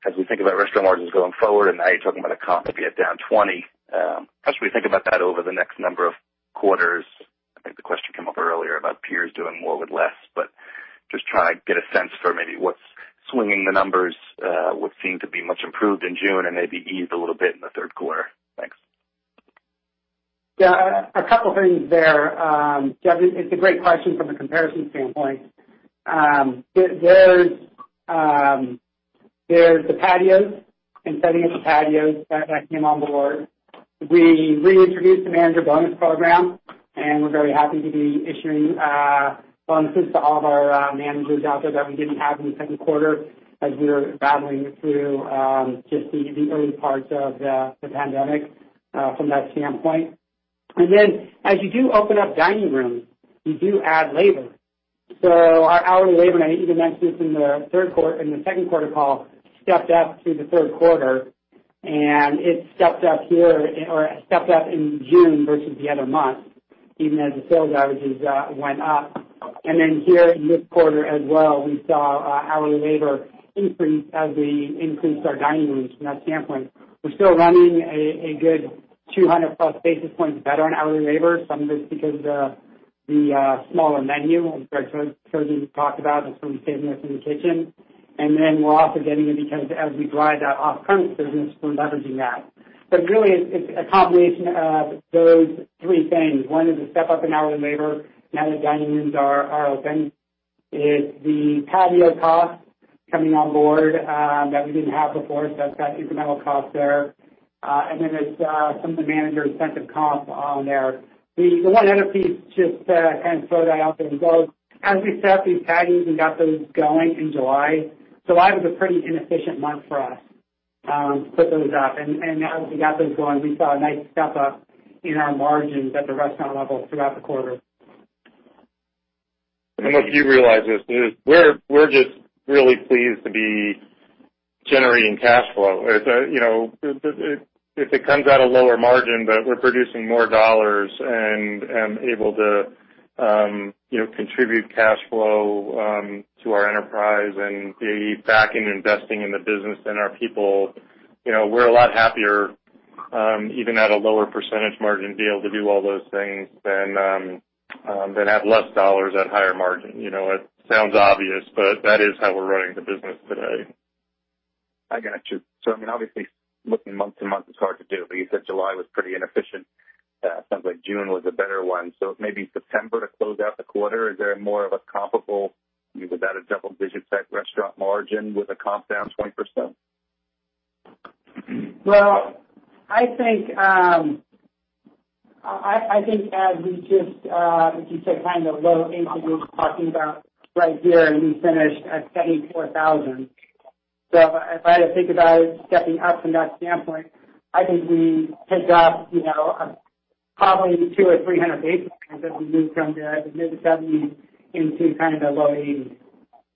as we think about restaurant margins going forward, and now you're talking about a comp maybe at down 20%, how should we think about that over the next number of quarters? I think the question came up earlier about peers doing more with less, but just trying to get a sense for maybe what's swinging the numbers, what seemed to be much improved in June and maybe eased a little bit in the Third Quarter. Thanks. Yeah, a couple things there. Jeff, it's a great question from a comparison standpoint. There's the patios and setting up the patios that came on board. We reintroduced the manager bonus program, and we're very happy to be issuing bonuses to all of our managers out there that we didn't have in the second quarter as we were battling through just the early parts of the pandemic from that standpoint. As you do open up dining rooms, you do add labor. Our hourly labor, and I even mentioned this in the second quarter call, stepped up through the third quarter, and it stepped up in June versus the other months, even as the sales averages went up. Here in this quarter as well, we saw hourly labor increase as we increased our dining rooms from that standpoint. We're still running a good 200+ basis points better on hourly labor. Some of it's because of the smaller menu and the choices we talked about, and some savings in the kitchen. We're also getting it because as we drive that off-premise business, we're leveraging that. Really, it's a combination of those three things. One is the step-up in hourly labor now that dining rooms are open. It's the patio costs coming on board that we didn't have before, so that's got incremental cost there. It's some of the manager incentive comp on there. The one other piece, just to kind of throw that out there as well, as we set up these patios and got those going in July was a pretty inefficient month for us to put those up. As we got those going, we saw a nice step-up in our margins at the restaurant level throughout the quarter. Look, you realize we're just really pleased to be generating cash flow. If it comes at a lower margin, but we're producing more dollars and able to contribute cash flow to our enterprise and be back investing in the business and our people, we're a lot happier even at a lower percentage margin to be able to do all those things than have less dollars at higher margin. It sounds obvious, but that is how we're running the business today. I got you. Obviously, looking month-over-month is hard to do, but you said July was pretty inefficient. Sounds like June was a better one. Maybe September to close out the quarter, is there more of a comparable, maybe about a double-digit type restaurant margin with a comp down 20%? Well, I think as you said, low 80s we were talking about right here. We finished at 74,000. If I had to think about it stepping up from that standpoint, I think we tick up probably 200 basis points or 300 basis points as we move from the mid-70s into kind of the low 80s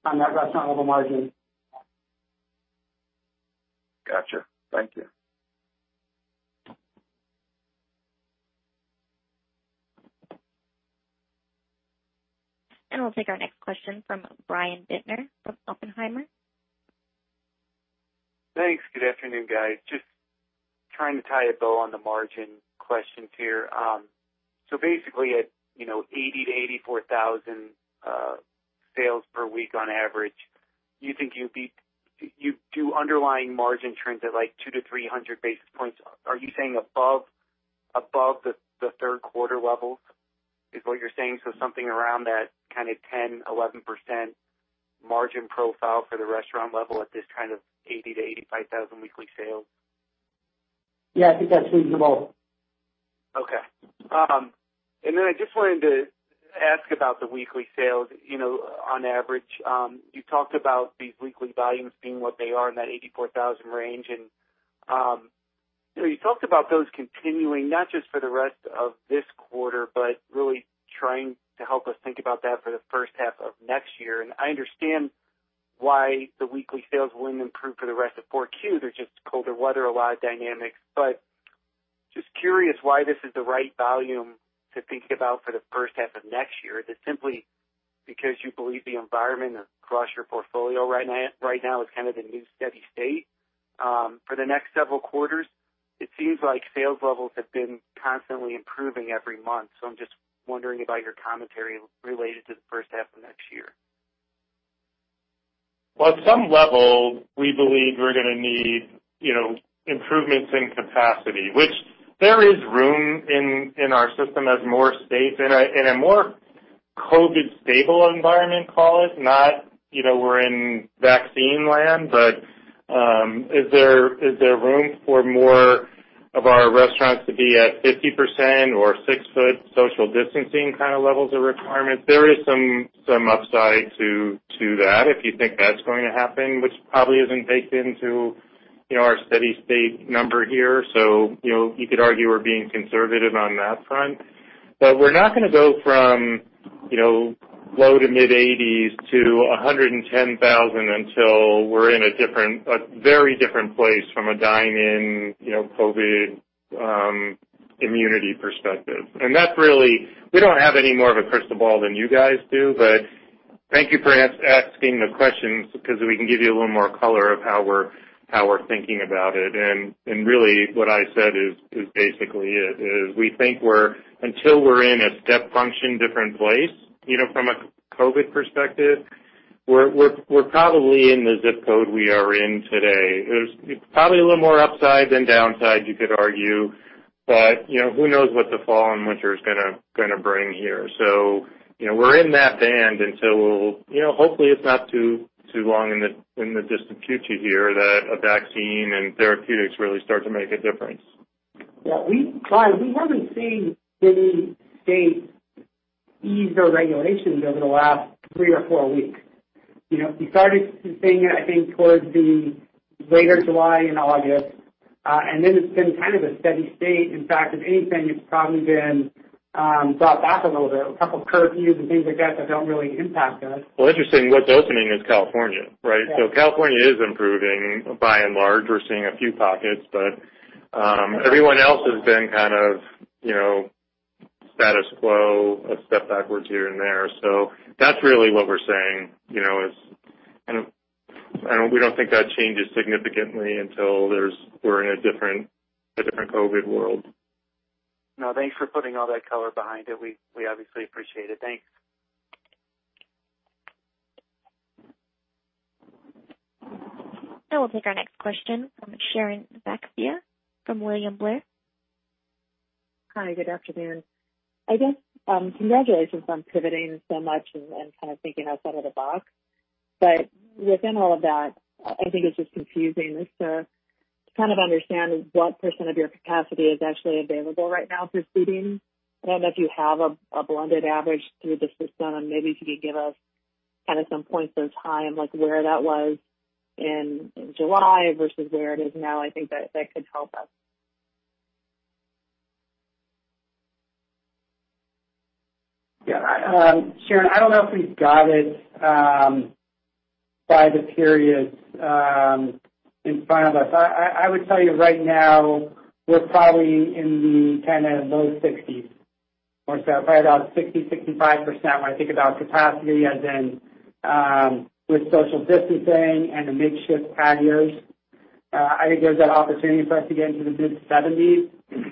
on that restaurant level margin. Got you. Thank you. We'll take our next question from Brian Bittner with Oppenheimer. Thanks. Good afternoon, guys. Just trying to tie a bow on the margin questions here. Basically at $80,000-$84,000 sales per week on average, you think you'd do underlying margin trends at 200-300 basis points. Are you saying above the third quarter levels is what you're saying? Something around that 10%-11% margin profile for the restaurant level at this kind of $80,000-$85,000 weekly sales? Yeah, I think that's reasonable. Okay. I just wanted to ask about the weekly sales. On average, you talked about these weekly volumes being what they are in that $84,000 range, and you talked about those continuing, not just for the rest of this quarter, but really trying to help us think about that for the first half of next year. I understand why the weekly sales wouldn't improve for the rest of 4Q. There's just colder weather, a lot of dynamics, but just curious why this is the right volume to think about for the first half of next year. Is it simply because you believe the environment across your portfolio right now is kind of the new steady state for the next several quarters? It seems like sales levels have been constantly improving every month. I'm just wondering about your commentary related to the first half of next year. Well, at some level, we believe we're going to need improvements in capacity. Which there is room in our system as more safe, in a more COVID stable environment, call it. Not we're in vaccine land, but is there room for more of our restaurants to be at 50% or 6 ft social distancing levels of requirements? There is some upside to that if you think that's going to happen, which probably isn't baked into our steady state number here. You could argue we're being conservative on that front. We're not going to go from low to mid 80s to 110,000 until we're in a very different place from a dine-in COVID immunity perspective. We don't have any more of a crystal ball than you guys do, but thank you for asking the questions because we can give you a little more color of how we're thinking about it. Really what I said is basically it, is we think until we're in a step function different place from a COVID perspective, we're probably in the ZIP code we are in today. There's probably a little more upside than downside, you could argue. Who knows what the fall and winter is going to bring here. We're in that band until, hopefully it's not too long in the distant future here that a vaccine and therapeutics really start to make a difference. Yeah. Brian, we haven't seen any state ease their regulations over the last three or four weeks. We started seeing it, I think, towards the later July and August, and then it's been kind of a steady state. In fact, if anything, it's probably been brought back a little bit with a couple curfews and things like that don't really impact us. Well, interesting, what's opening is California, right? Yeah. California is improving by and large. We're seeing a few pockets, but everyone else has been status quo, a step backwards here and there. That's really what we're saying, and we don't think that changes significantly until we're in a different COVID world. No, thanks for putting all that color behind it. We obviously appreciate it. Thanks. Now we'll take our next question from Sharon Zackfia from William Blair. Hi, good afternoon. I guess, congratulations on pivoting so much and thinking outside of the box. Within all of that, I think it's just confusing just to understand what percent of your capacity is actually available right now for seating. I don't know if you have a blended average through the system, and maybe could you give us some points as high and where that was in July versus where it is now? I think that could help us. Sharon, I don't know if we've got it by the periods in front of us. I would tell you right now, we're probably in the low 60s, or so, probably about 60%-65% when I think about capacity as in with social distancing and the mid-shift patios. I think there's that opportunity for us to get into the mid 70s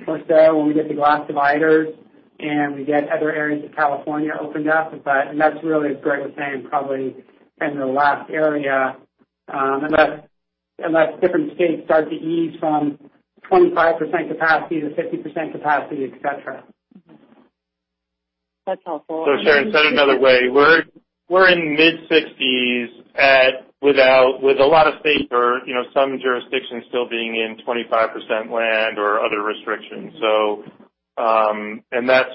or so when we get the glass dividers and we get other areas of California opened up. That's really, as Greg was saying, probably the last area, unless different states start to ease from 25% capacity to 50% capacity, et cetera. That's helpful. Sharon, said another way, we're in mid-60s with a lot of states or some jurisdictions still being in 25% land or other restrictions. That's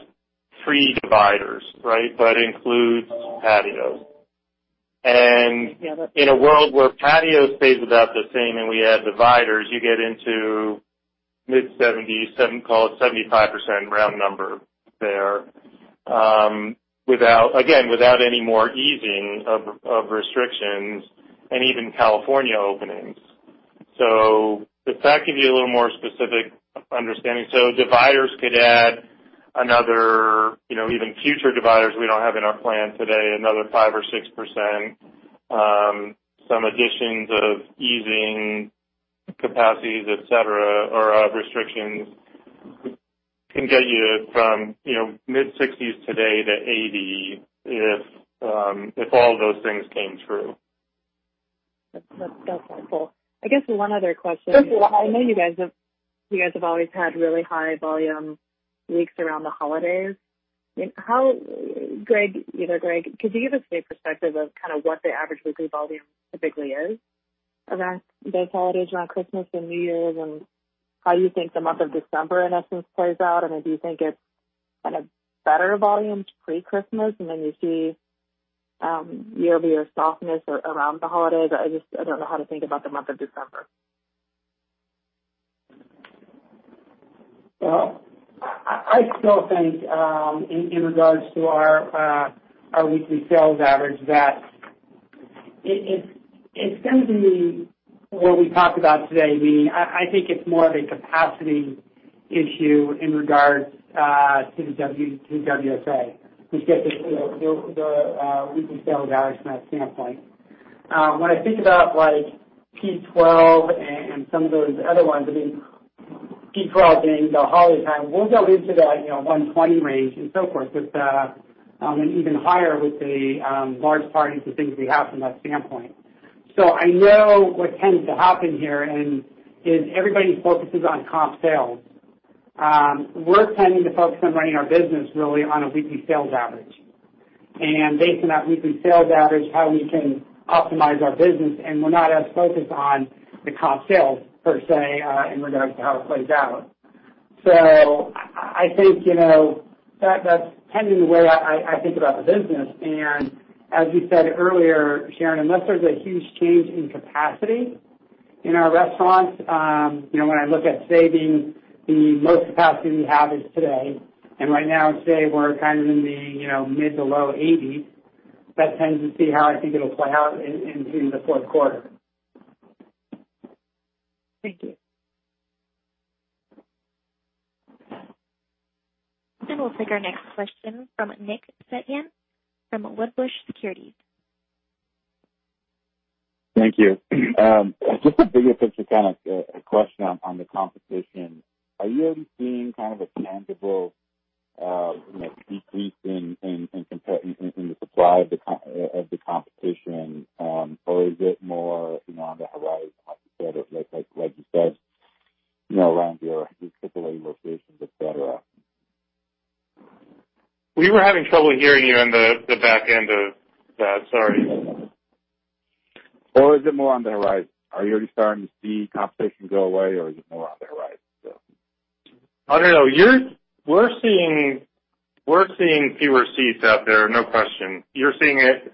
pre-dividers. Includes patios. Yeah. In a world where patios stays about the same and we add dividers, you get into mid-70, call it 75% round number there. Again, without any more easing of restrictions and even California openings. Does that give you a little more specific understanding? Dividers could add another, even future dividers we don't have in our plan today, another 5% or 6%. Some additions of easing capacities, et cetera, or of restrictions can get you from mid-60s today to 80 if all of those things came true. That's helpful. I guess one other question. That's okay. I know you guys have always had really high volume weeks around the holidays. Either Greg, could you give us a perspective of what the average weekly volume typically is around those holidays, around Christmas and New Year's, and how you think the month of December, in essence, plays out? Do you think it's a better volume pre-Christmas, and then you see year-over-year softness around the holidays? I just, I don't know how to think about the month of December. Well, I still think, in regards to our weekly sales average, that it tends to be what we talked about today, meaning I think it's more of a capacity issue in regards to the WSA, which gets us to the weekly sales average from that standpoint. When I think about P12 and some of those other ones, P12 during the holiday time won't delve into the 120 range and so forth, and even higher with the large parties and things we have from that standpoint. I know what tends to happen here, everybody focuses on comp sales. We're tending to focus on running our business really on a weekly sales average. Based on that weekly sales average, how we can optimize our business, and we're not as focused on the comp sales, per se, in regards to how it plays out. I think that's tending the way I think about the business. As you said earlier, Sharon, unless there's a huge change in capacity in our restaurants, when I look at say the most capacity we have is today, and right now today we're in the mid to low 80s, that tends to see how I think it'll play out in the fourth quarter. Thank you. We'll take our next question from Nick Setyan from Wedbush Securities. Thank you. A bigger picture kind of a question on the competition. Are you seeing a tangible decrease in the supply of the competition? Is it more on the horizon, like you said, around your particular locations, et cetera? We were having trouble hearing you on the back end of that. Sorry. Or is it more on the horizon? Are you already starting to see competition go away, or is it more on the horizon? I don't know. We're seeing fewer seats out there, no question. You're seeing it.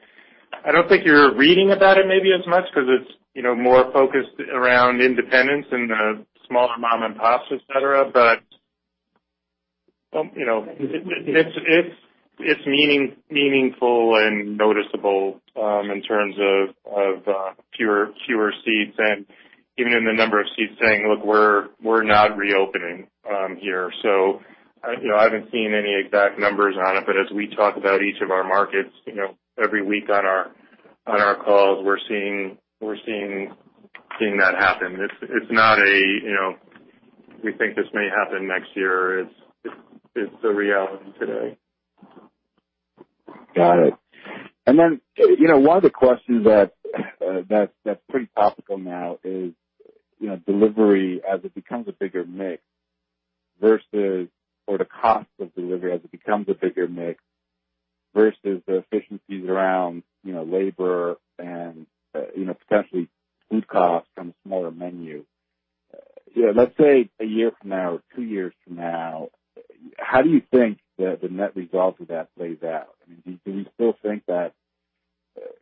I don't think you're reading about it maybe as much because it's more focused around independents and the smaller mom and pops, et cetera. It's meaningful and noticeable in terms of fewer seats and even in the number of seats saying, "Look, we're not reopening here." I haven't seen any exact numbers on it, but as we talk about each of our markets every week on our calls, we're seeing that happen. It's not a, we think this may happen next year. It's the reality today. Got it. One of the questions that's pretty topical now is delivery as it becomes a bigger mix versus, or the cost of delivery as it becomes a bigger mix versus the efficiencies around labor and potentially food costs from a smaller menu. Let's say a year from now or two years from now, how do you think the net result of that plays out? Do we still think that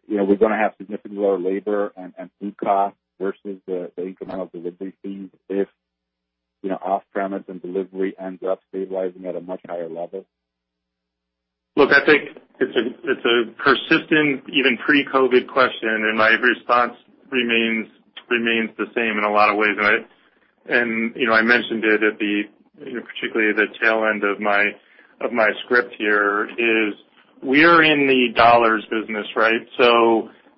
we're going to have significantly lower labor and food costs versus the incremental delivery fees if off-premise and delivery ends up stabilizing at a much higher level? Look, I think it's a persistent, even pre-COVID question, my response remains the same in a lot of ways. I mentioned it at the, particularly the tail end of my script here is we are in the dollars business, right?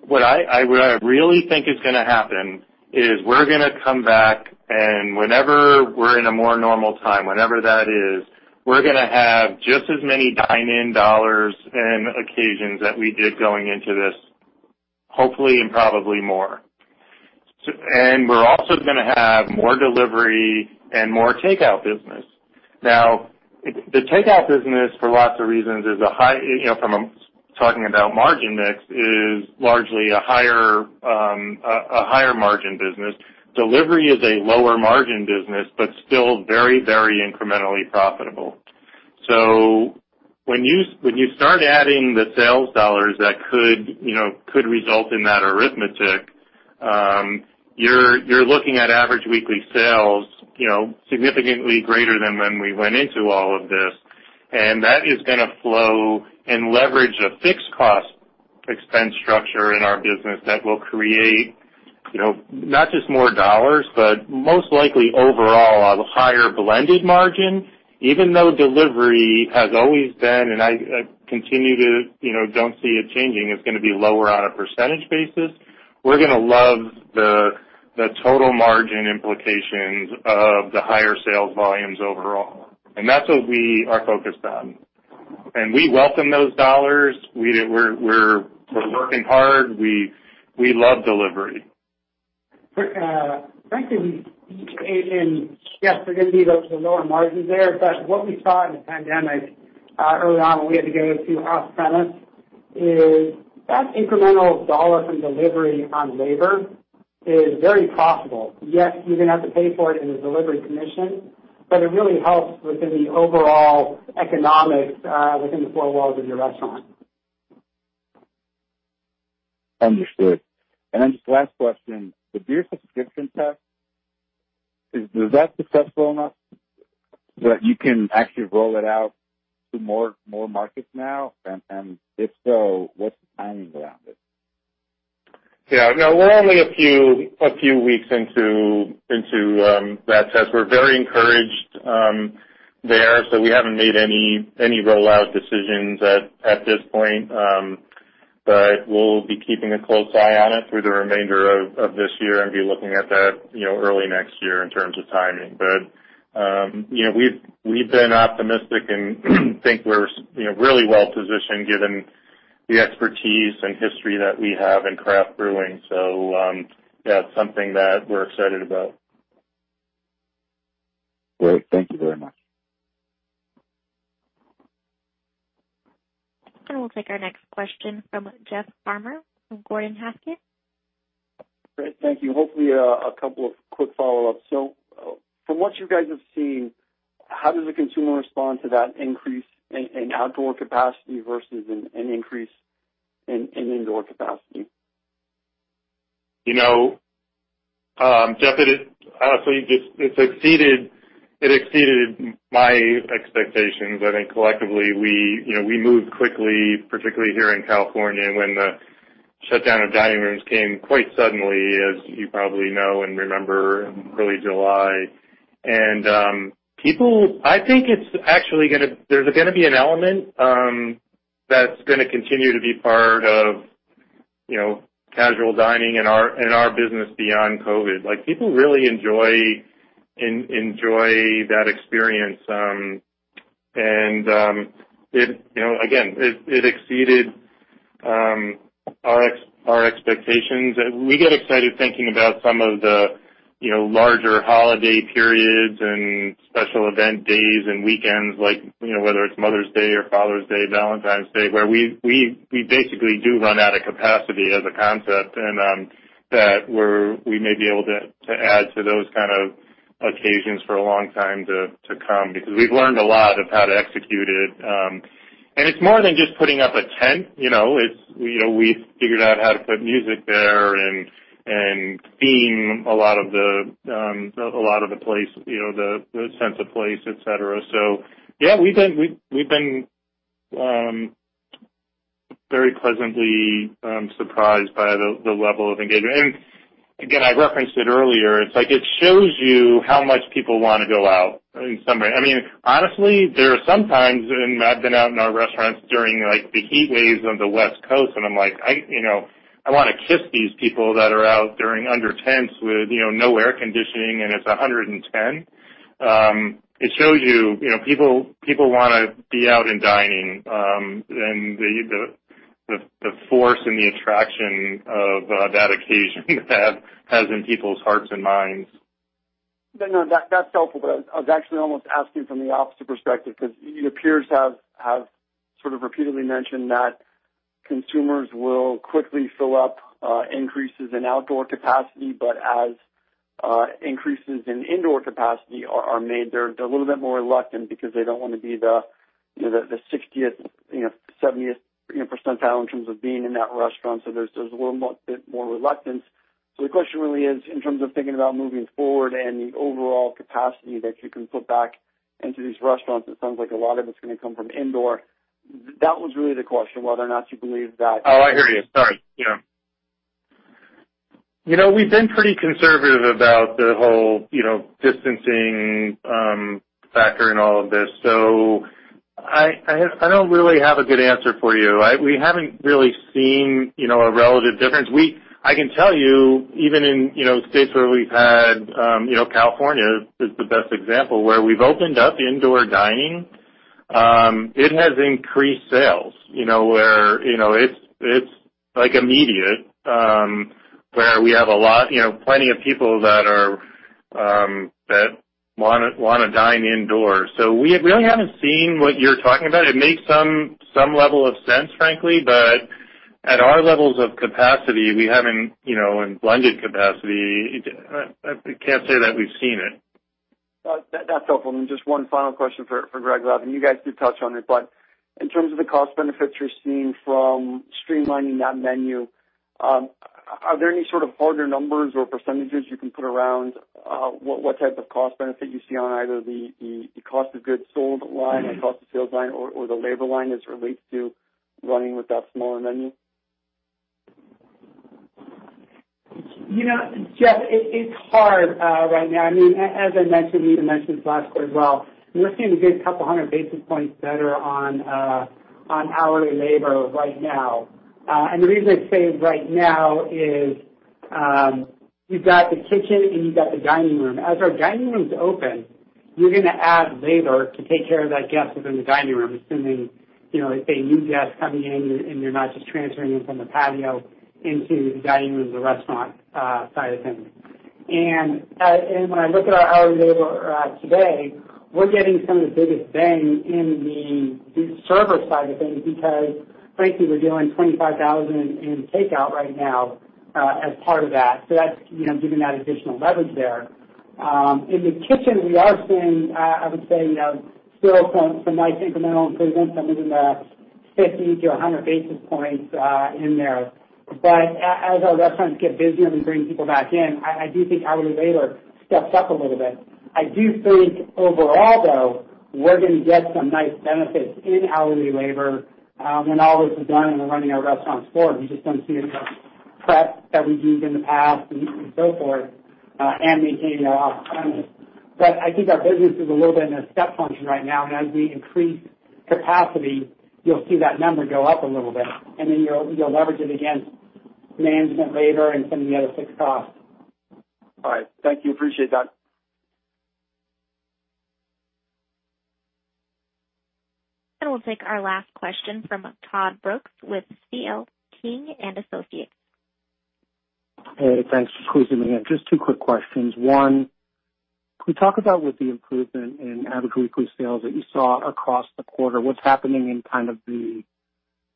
What I really think is going to happen is we're going to come back and whenever we're in a more normal time, whenever that is, we're going to have just as many dine-in dollars and occasions that we did going into this, hopefully and probably more. We're also going to have more delivery and more takeout business. Now, the takeout business, for lots of reasons, from talking about margin mix, is largely a higher margin business. Delivery is a lower margin business, but still very incrementally profitable. When you start adding the sales dollars that could result in that arithmetic, you're looking at average weekly sales significantly greater than when we went into all of this. That is going to flow and leverage a fixed cost expense structure in our business that will create not just more dollars, but most likely overall, a higher blended margin, even though delivery has always been, and I continue to don't see it changing, it's going to be lower on a percentage basis. We're going to love the total margin implications of the higher sales volumes overall. That's what we are focused on. We welcome those dollars. We're working hard. We love delivery. Frankly, and yes, they're going to be the lower margins there, but what we saw in the pandemic early on when we had to go to off-premise is that incremental dollar from delivery on labor is very profitable. Yes, you're going to have to pay for it in the delivery commission, but it really helps within the overall economics within the four walls of your restaurant. Understood. Just the last question, the beer subscription test, is that successful enough that you can actually roll it out to more markets now? If so, what's the timing around it? Yeah. No, we're only a few weeks into that test. We're very encouraged there. We haven't made any rollout decisions at this point. We'll be keeping a close eye on it through the remainder of this year and be looking at that early next year in terms of timing. We've been optimistic and think we're really well-positioned given the expertise and history that we have in craft brewing. Yeah, it's something that we're excited about. Great. Thank you very much. We'll take our next question from Jeff Farmer from Gordon Haskett. Great. Thank you. Hopefully, a couple of quick follow-ups. From what you guys have seen, how does the consumer respond to that increase in outdoor capacity versus an increase in indoor capacity? Jeff, honestly, it exceeded my expectations. I think collectively, we moved quickly, particularly here in California, when the shutdown of dining rooms came quite suddenly, as you probably know and remember, early July. I think there's going to be an element that's going to continue to be part of casual dining in our business beyond COVID. People really enjoy that experience, and again, it exceeded our expectations. We get excited thinking about some of the larger holiday periods and special event days and weekends, whether it's Mother's Day or Father's Day, Valentine's Day, where we basically do run out of capacity as a concept, and that we may be able to add to those kind of occasions for a long time to come because we've learned a lot of how to execute it. It's more than just putting up a tent. We figured out how to put music there and theme a lot of the sense of place, et cetera. Yeah, we've been very pleasantly surprised by the level of engagement. Again, I referenced it earlier, it shows you how much people want to go out in summary. Honestly, there are some times, and I've been out in our restaurants during the heat waves on the West Coast, and I'm like, I want to kiss these people that are out under tents with no air conditioning, and it's 110. It shows you people want to be out and dining, and the force and the attraction of that occasion has in people's hearts and minds. No, that's helpful. I was actually almost asking from the opposite perspective because your peers have sort of repeatedly mentioned that consumers will quickly fill up increases in outdoor capacity, but as increases in indoor capacity are made, they're a little bit more reluctant because they don't want to be the 60th, 70th percentile in terms of being in that restaurant. There's a little bit more reluctance. The question really is, in terms of thinking about moving forward and the overall capacity that you can put back into these restaurants, it sounds like a lot of it's going to come from indoor. That was really the question, whether or not you believe that. Oh, I hear you. Sorry. Yeah. We've been pretty conservative about the whole distancing factor in all of this, so I don't really have a good answer for you. We haven't really seen a relative difference. I can tell you, even in states where we've had, California is the best example, where we've opened up indoor dining, it has increased sales. It's immediate, where we have plenty of people that want to dine indoors. We really haven't seen what you're talking about. It makes some level of sense, frankly, but at our levels of capacity and blended capacity, I can't say that we've seen it. That's helpful. Just one final question for Greg Levin. You guys did touch on it, but in terms of the cost benefits you're seeing from streamlining that menu, are there any sort of harder numbers or percentages you can put around what type of cost benefit you see on either the cost of goods sold line or cost of sales line, or the labor line as it relates to running with that smaller menu? Jeff, it's hard right now. As I mentioned, Rana mentioned it last quarter as well, we're looking a good couple of 100 basis points better on hourly labor right now. The reason I say right now is, you've got the kitchen and you've got the dining room. As our dining rooms open, you're going to add labor to take care of that guest within the dining room, assuming it's a new guest coming in and you're not just transferring them from the patio into the dining room, the restaurant side of things. When I look at our hourly labor today, we're getting some of the biggest bang in the server side of things because frankly, we're doing $25,000 in takeout right now as part of that. That's giving that additional leverage there. In the kitchen, we are seeing, I would say, still some nice incremental improvements, something in the 50 basis points to 100 basis points in there. As our restaurants get busier, we bring people back in, I do think hourly labor steps up a little bit. I do think overall, though, we're going to get some nice benefits in hourly labor when all this is done and we're running our restaurants forward. We just don't see the prep that we've used in the past and so forth and maintaining our off-premise. I think our business is a little bit in a step function right now, and as we increase capacity, you'll see that number go up a little bit, and then you'll leverage it against management labor and some of the other fixed costs. All right. Thank you. Appreciate that. We'll take our last question from Todd Brooks with C.L. King & Associates. Hey, thanks. Just squeezing in. Just two quick questions. One, can you talk about with the improvement in average weekly sales that you saw across the quarter, what's happening in the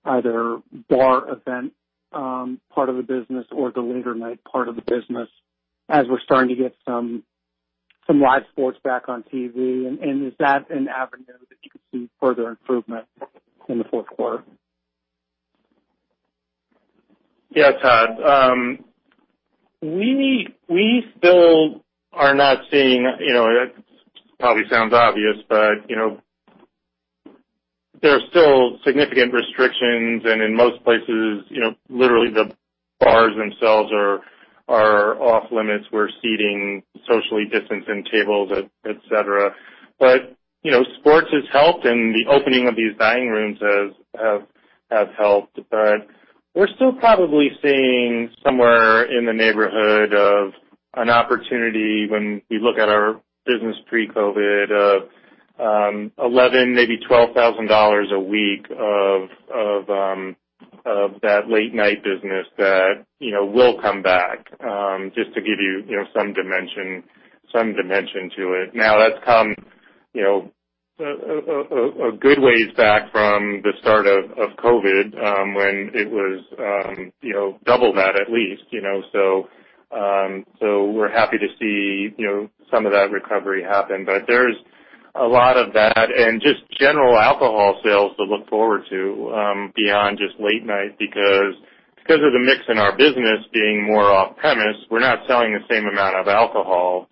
either bar event part of the business or the later night part of the business as we're starting to get some live sports back on TV? Is that an avenue that you could see further improvement in the fourth quarter? Yeah, Todd. It probably sounds obvious, but there are still significant restrictions, and in most places, literally the bars themselves are off limits. Sports has helped, and the opening of these dining rooms has helped. We're still probably seeing somewhere in the neighborhood of an opportunity when we look at our business pre-COVID of $11,000, maybe $12,000 a week of that late night business that will come back, just to give you some dimension to it. Now, that's come a good ways back from the start of COVID, when it was double that at least. We're happy to see some of that recovery happen. There's a lot of that and just general alcohol sales to look forward to beyond just late night, because of the mix in our business being more off-premise, we're not selling the same amount of alcohol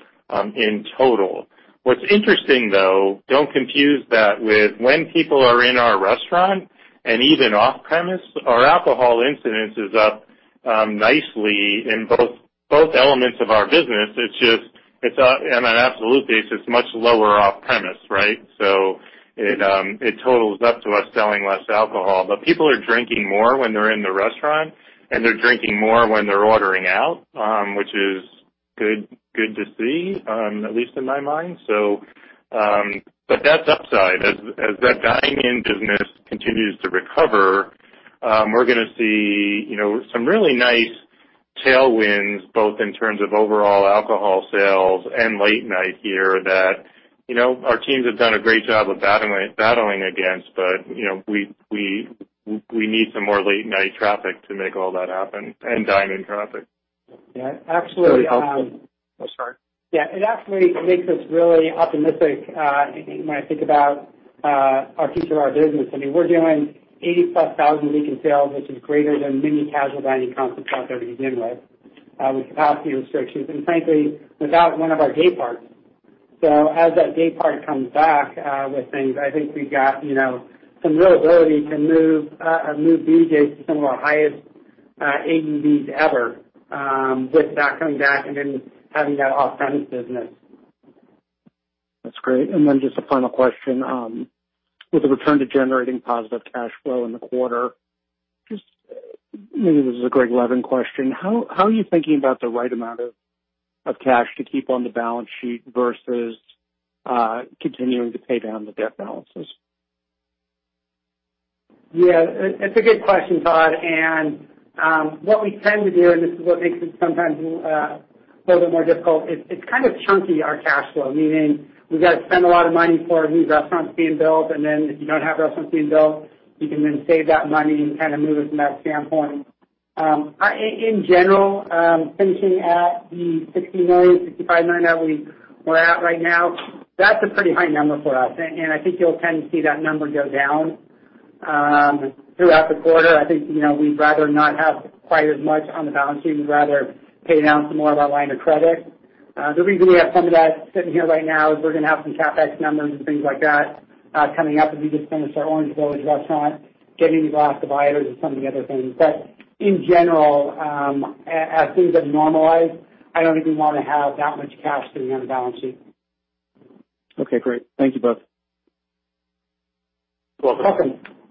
in total. What's interesting, though, don't confuse that with when people are in our restaurant and even off-premise, our alcohol incidence is up nicely in both elements of our business. It's just, on an absolute basis, much lower off-premise, right? It totals up to us selling less alcohol. People are drinking more when they're in the restaurant, and they're drinking more when they're ordering out, which is good to see, at least in my mind. That's upside. As that dine-in business continues to recover, we're going to see some really nice tailwinds, both in terms of overall alcohol sales and late night here that our teams have done a great job of battling against, but we need some more late-night traffic to make all that happen, and dine-in traffic. Yeah, actually- Oh, sorry. Yeah, it actually makes us really optimistic when I think about our future of our business. We're doing $80,000+ a week in sales, which is greater than many casual dining concepts out there to begin with capacity restrictions, and frankly, without one of our day parts. As that day part comes back with things, I think we've got some real ability to move BJ's to some of our highest AUVs ever with that coming back and then having that off-premise business. That's great. Just a final question. With the return to generating positive cash flow in the quarter, just maybe this is a Greg Levin question, how are you thinking about the right amount of cash to keep on the balance sheet versus continuing to pay down the debt balances? Yeah, it's a good question, Todd. What we tend to do, and this is what makes it sometimes a little bit more difficult, it's kind of chunky, our cash flow, meaning we've got to spend a lot of money for a new restaurant to being built, and then if you don't have a restaurant being built, you can then save that money and kind of move it from that standpoint. In general, finishing at the $60 million, $65 million that we're at right now, that's a pretty high number for us. I think you'll tend to see that number go down throughout the quarter. I think we'd rather not have quite as much on the balance sheet. We'd rather pay down some more of our line of credit. The reason we have some of that sitting here right now is we're going to have some CapEx numbers and things like that coming up as we just finished our Orange Village restaurant, getting glass dividers and some of the other things. In general, as things have normalized, I don't think we want to have that much cash sitting on the balance sheet. Okay, great. Thank you both. You're welcome.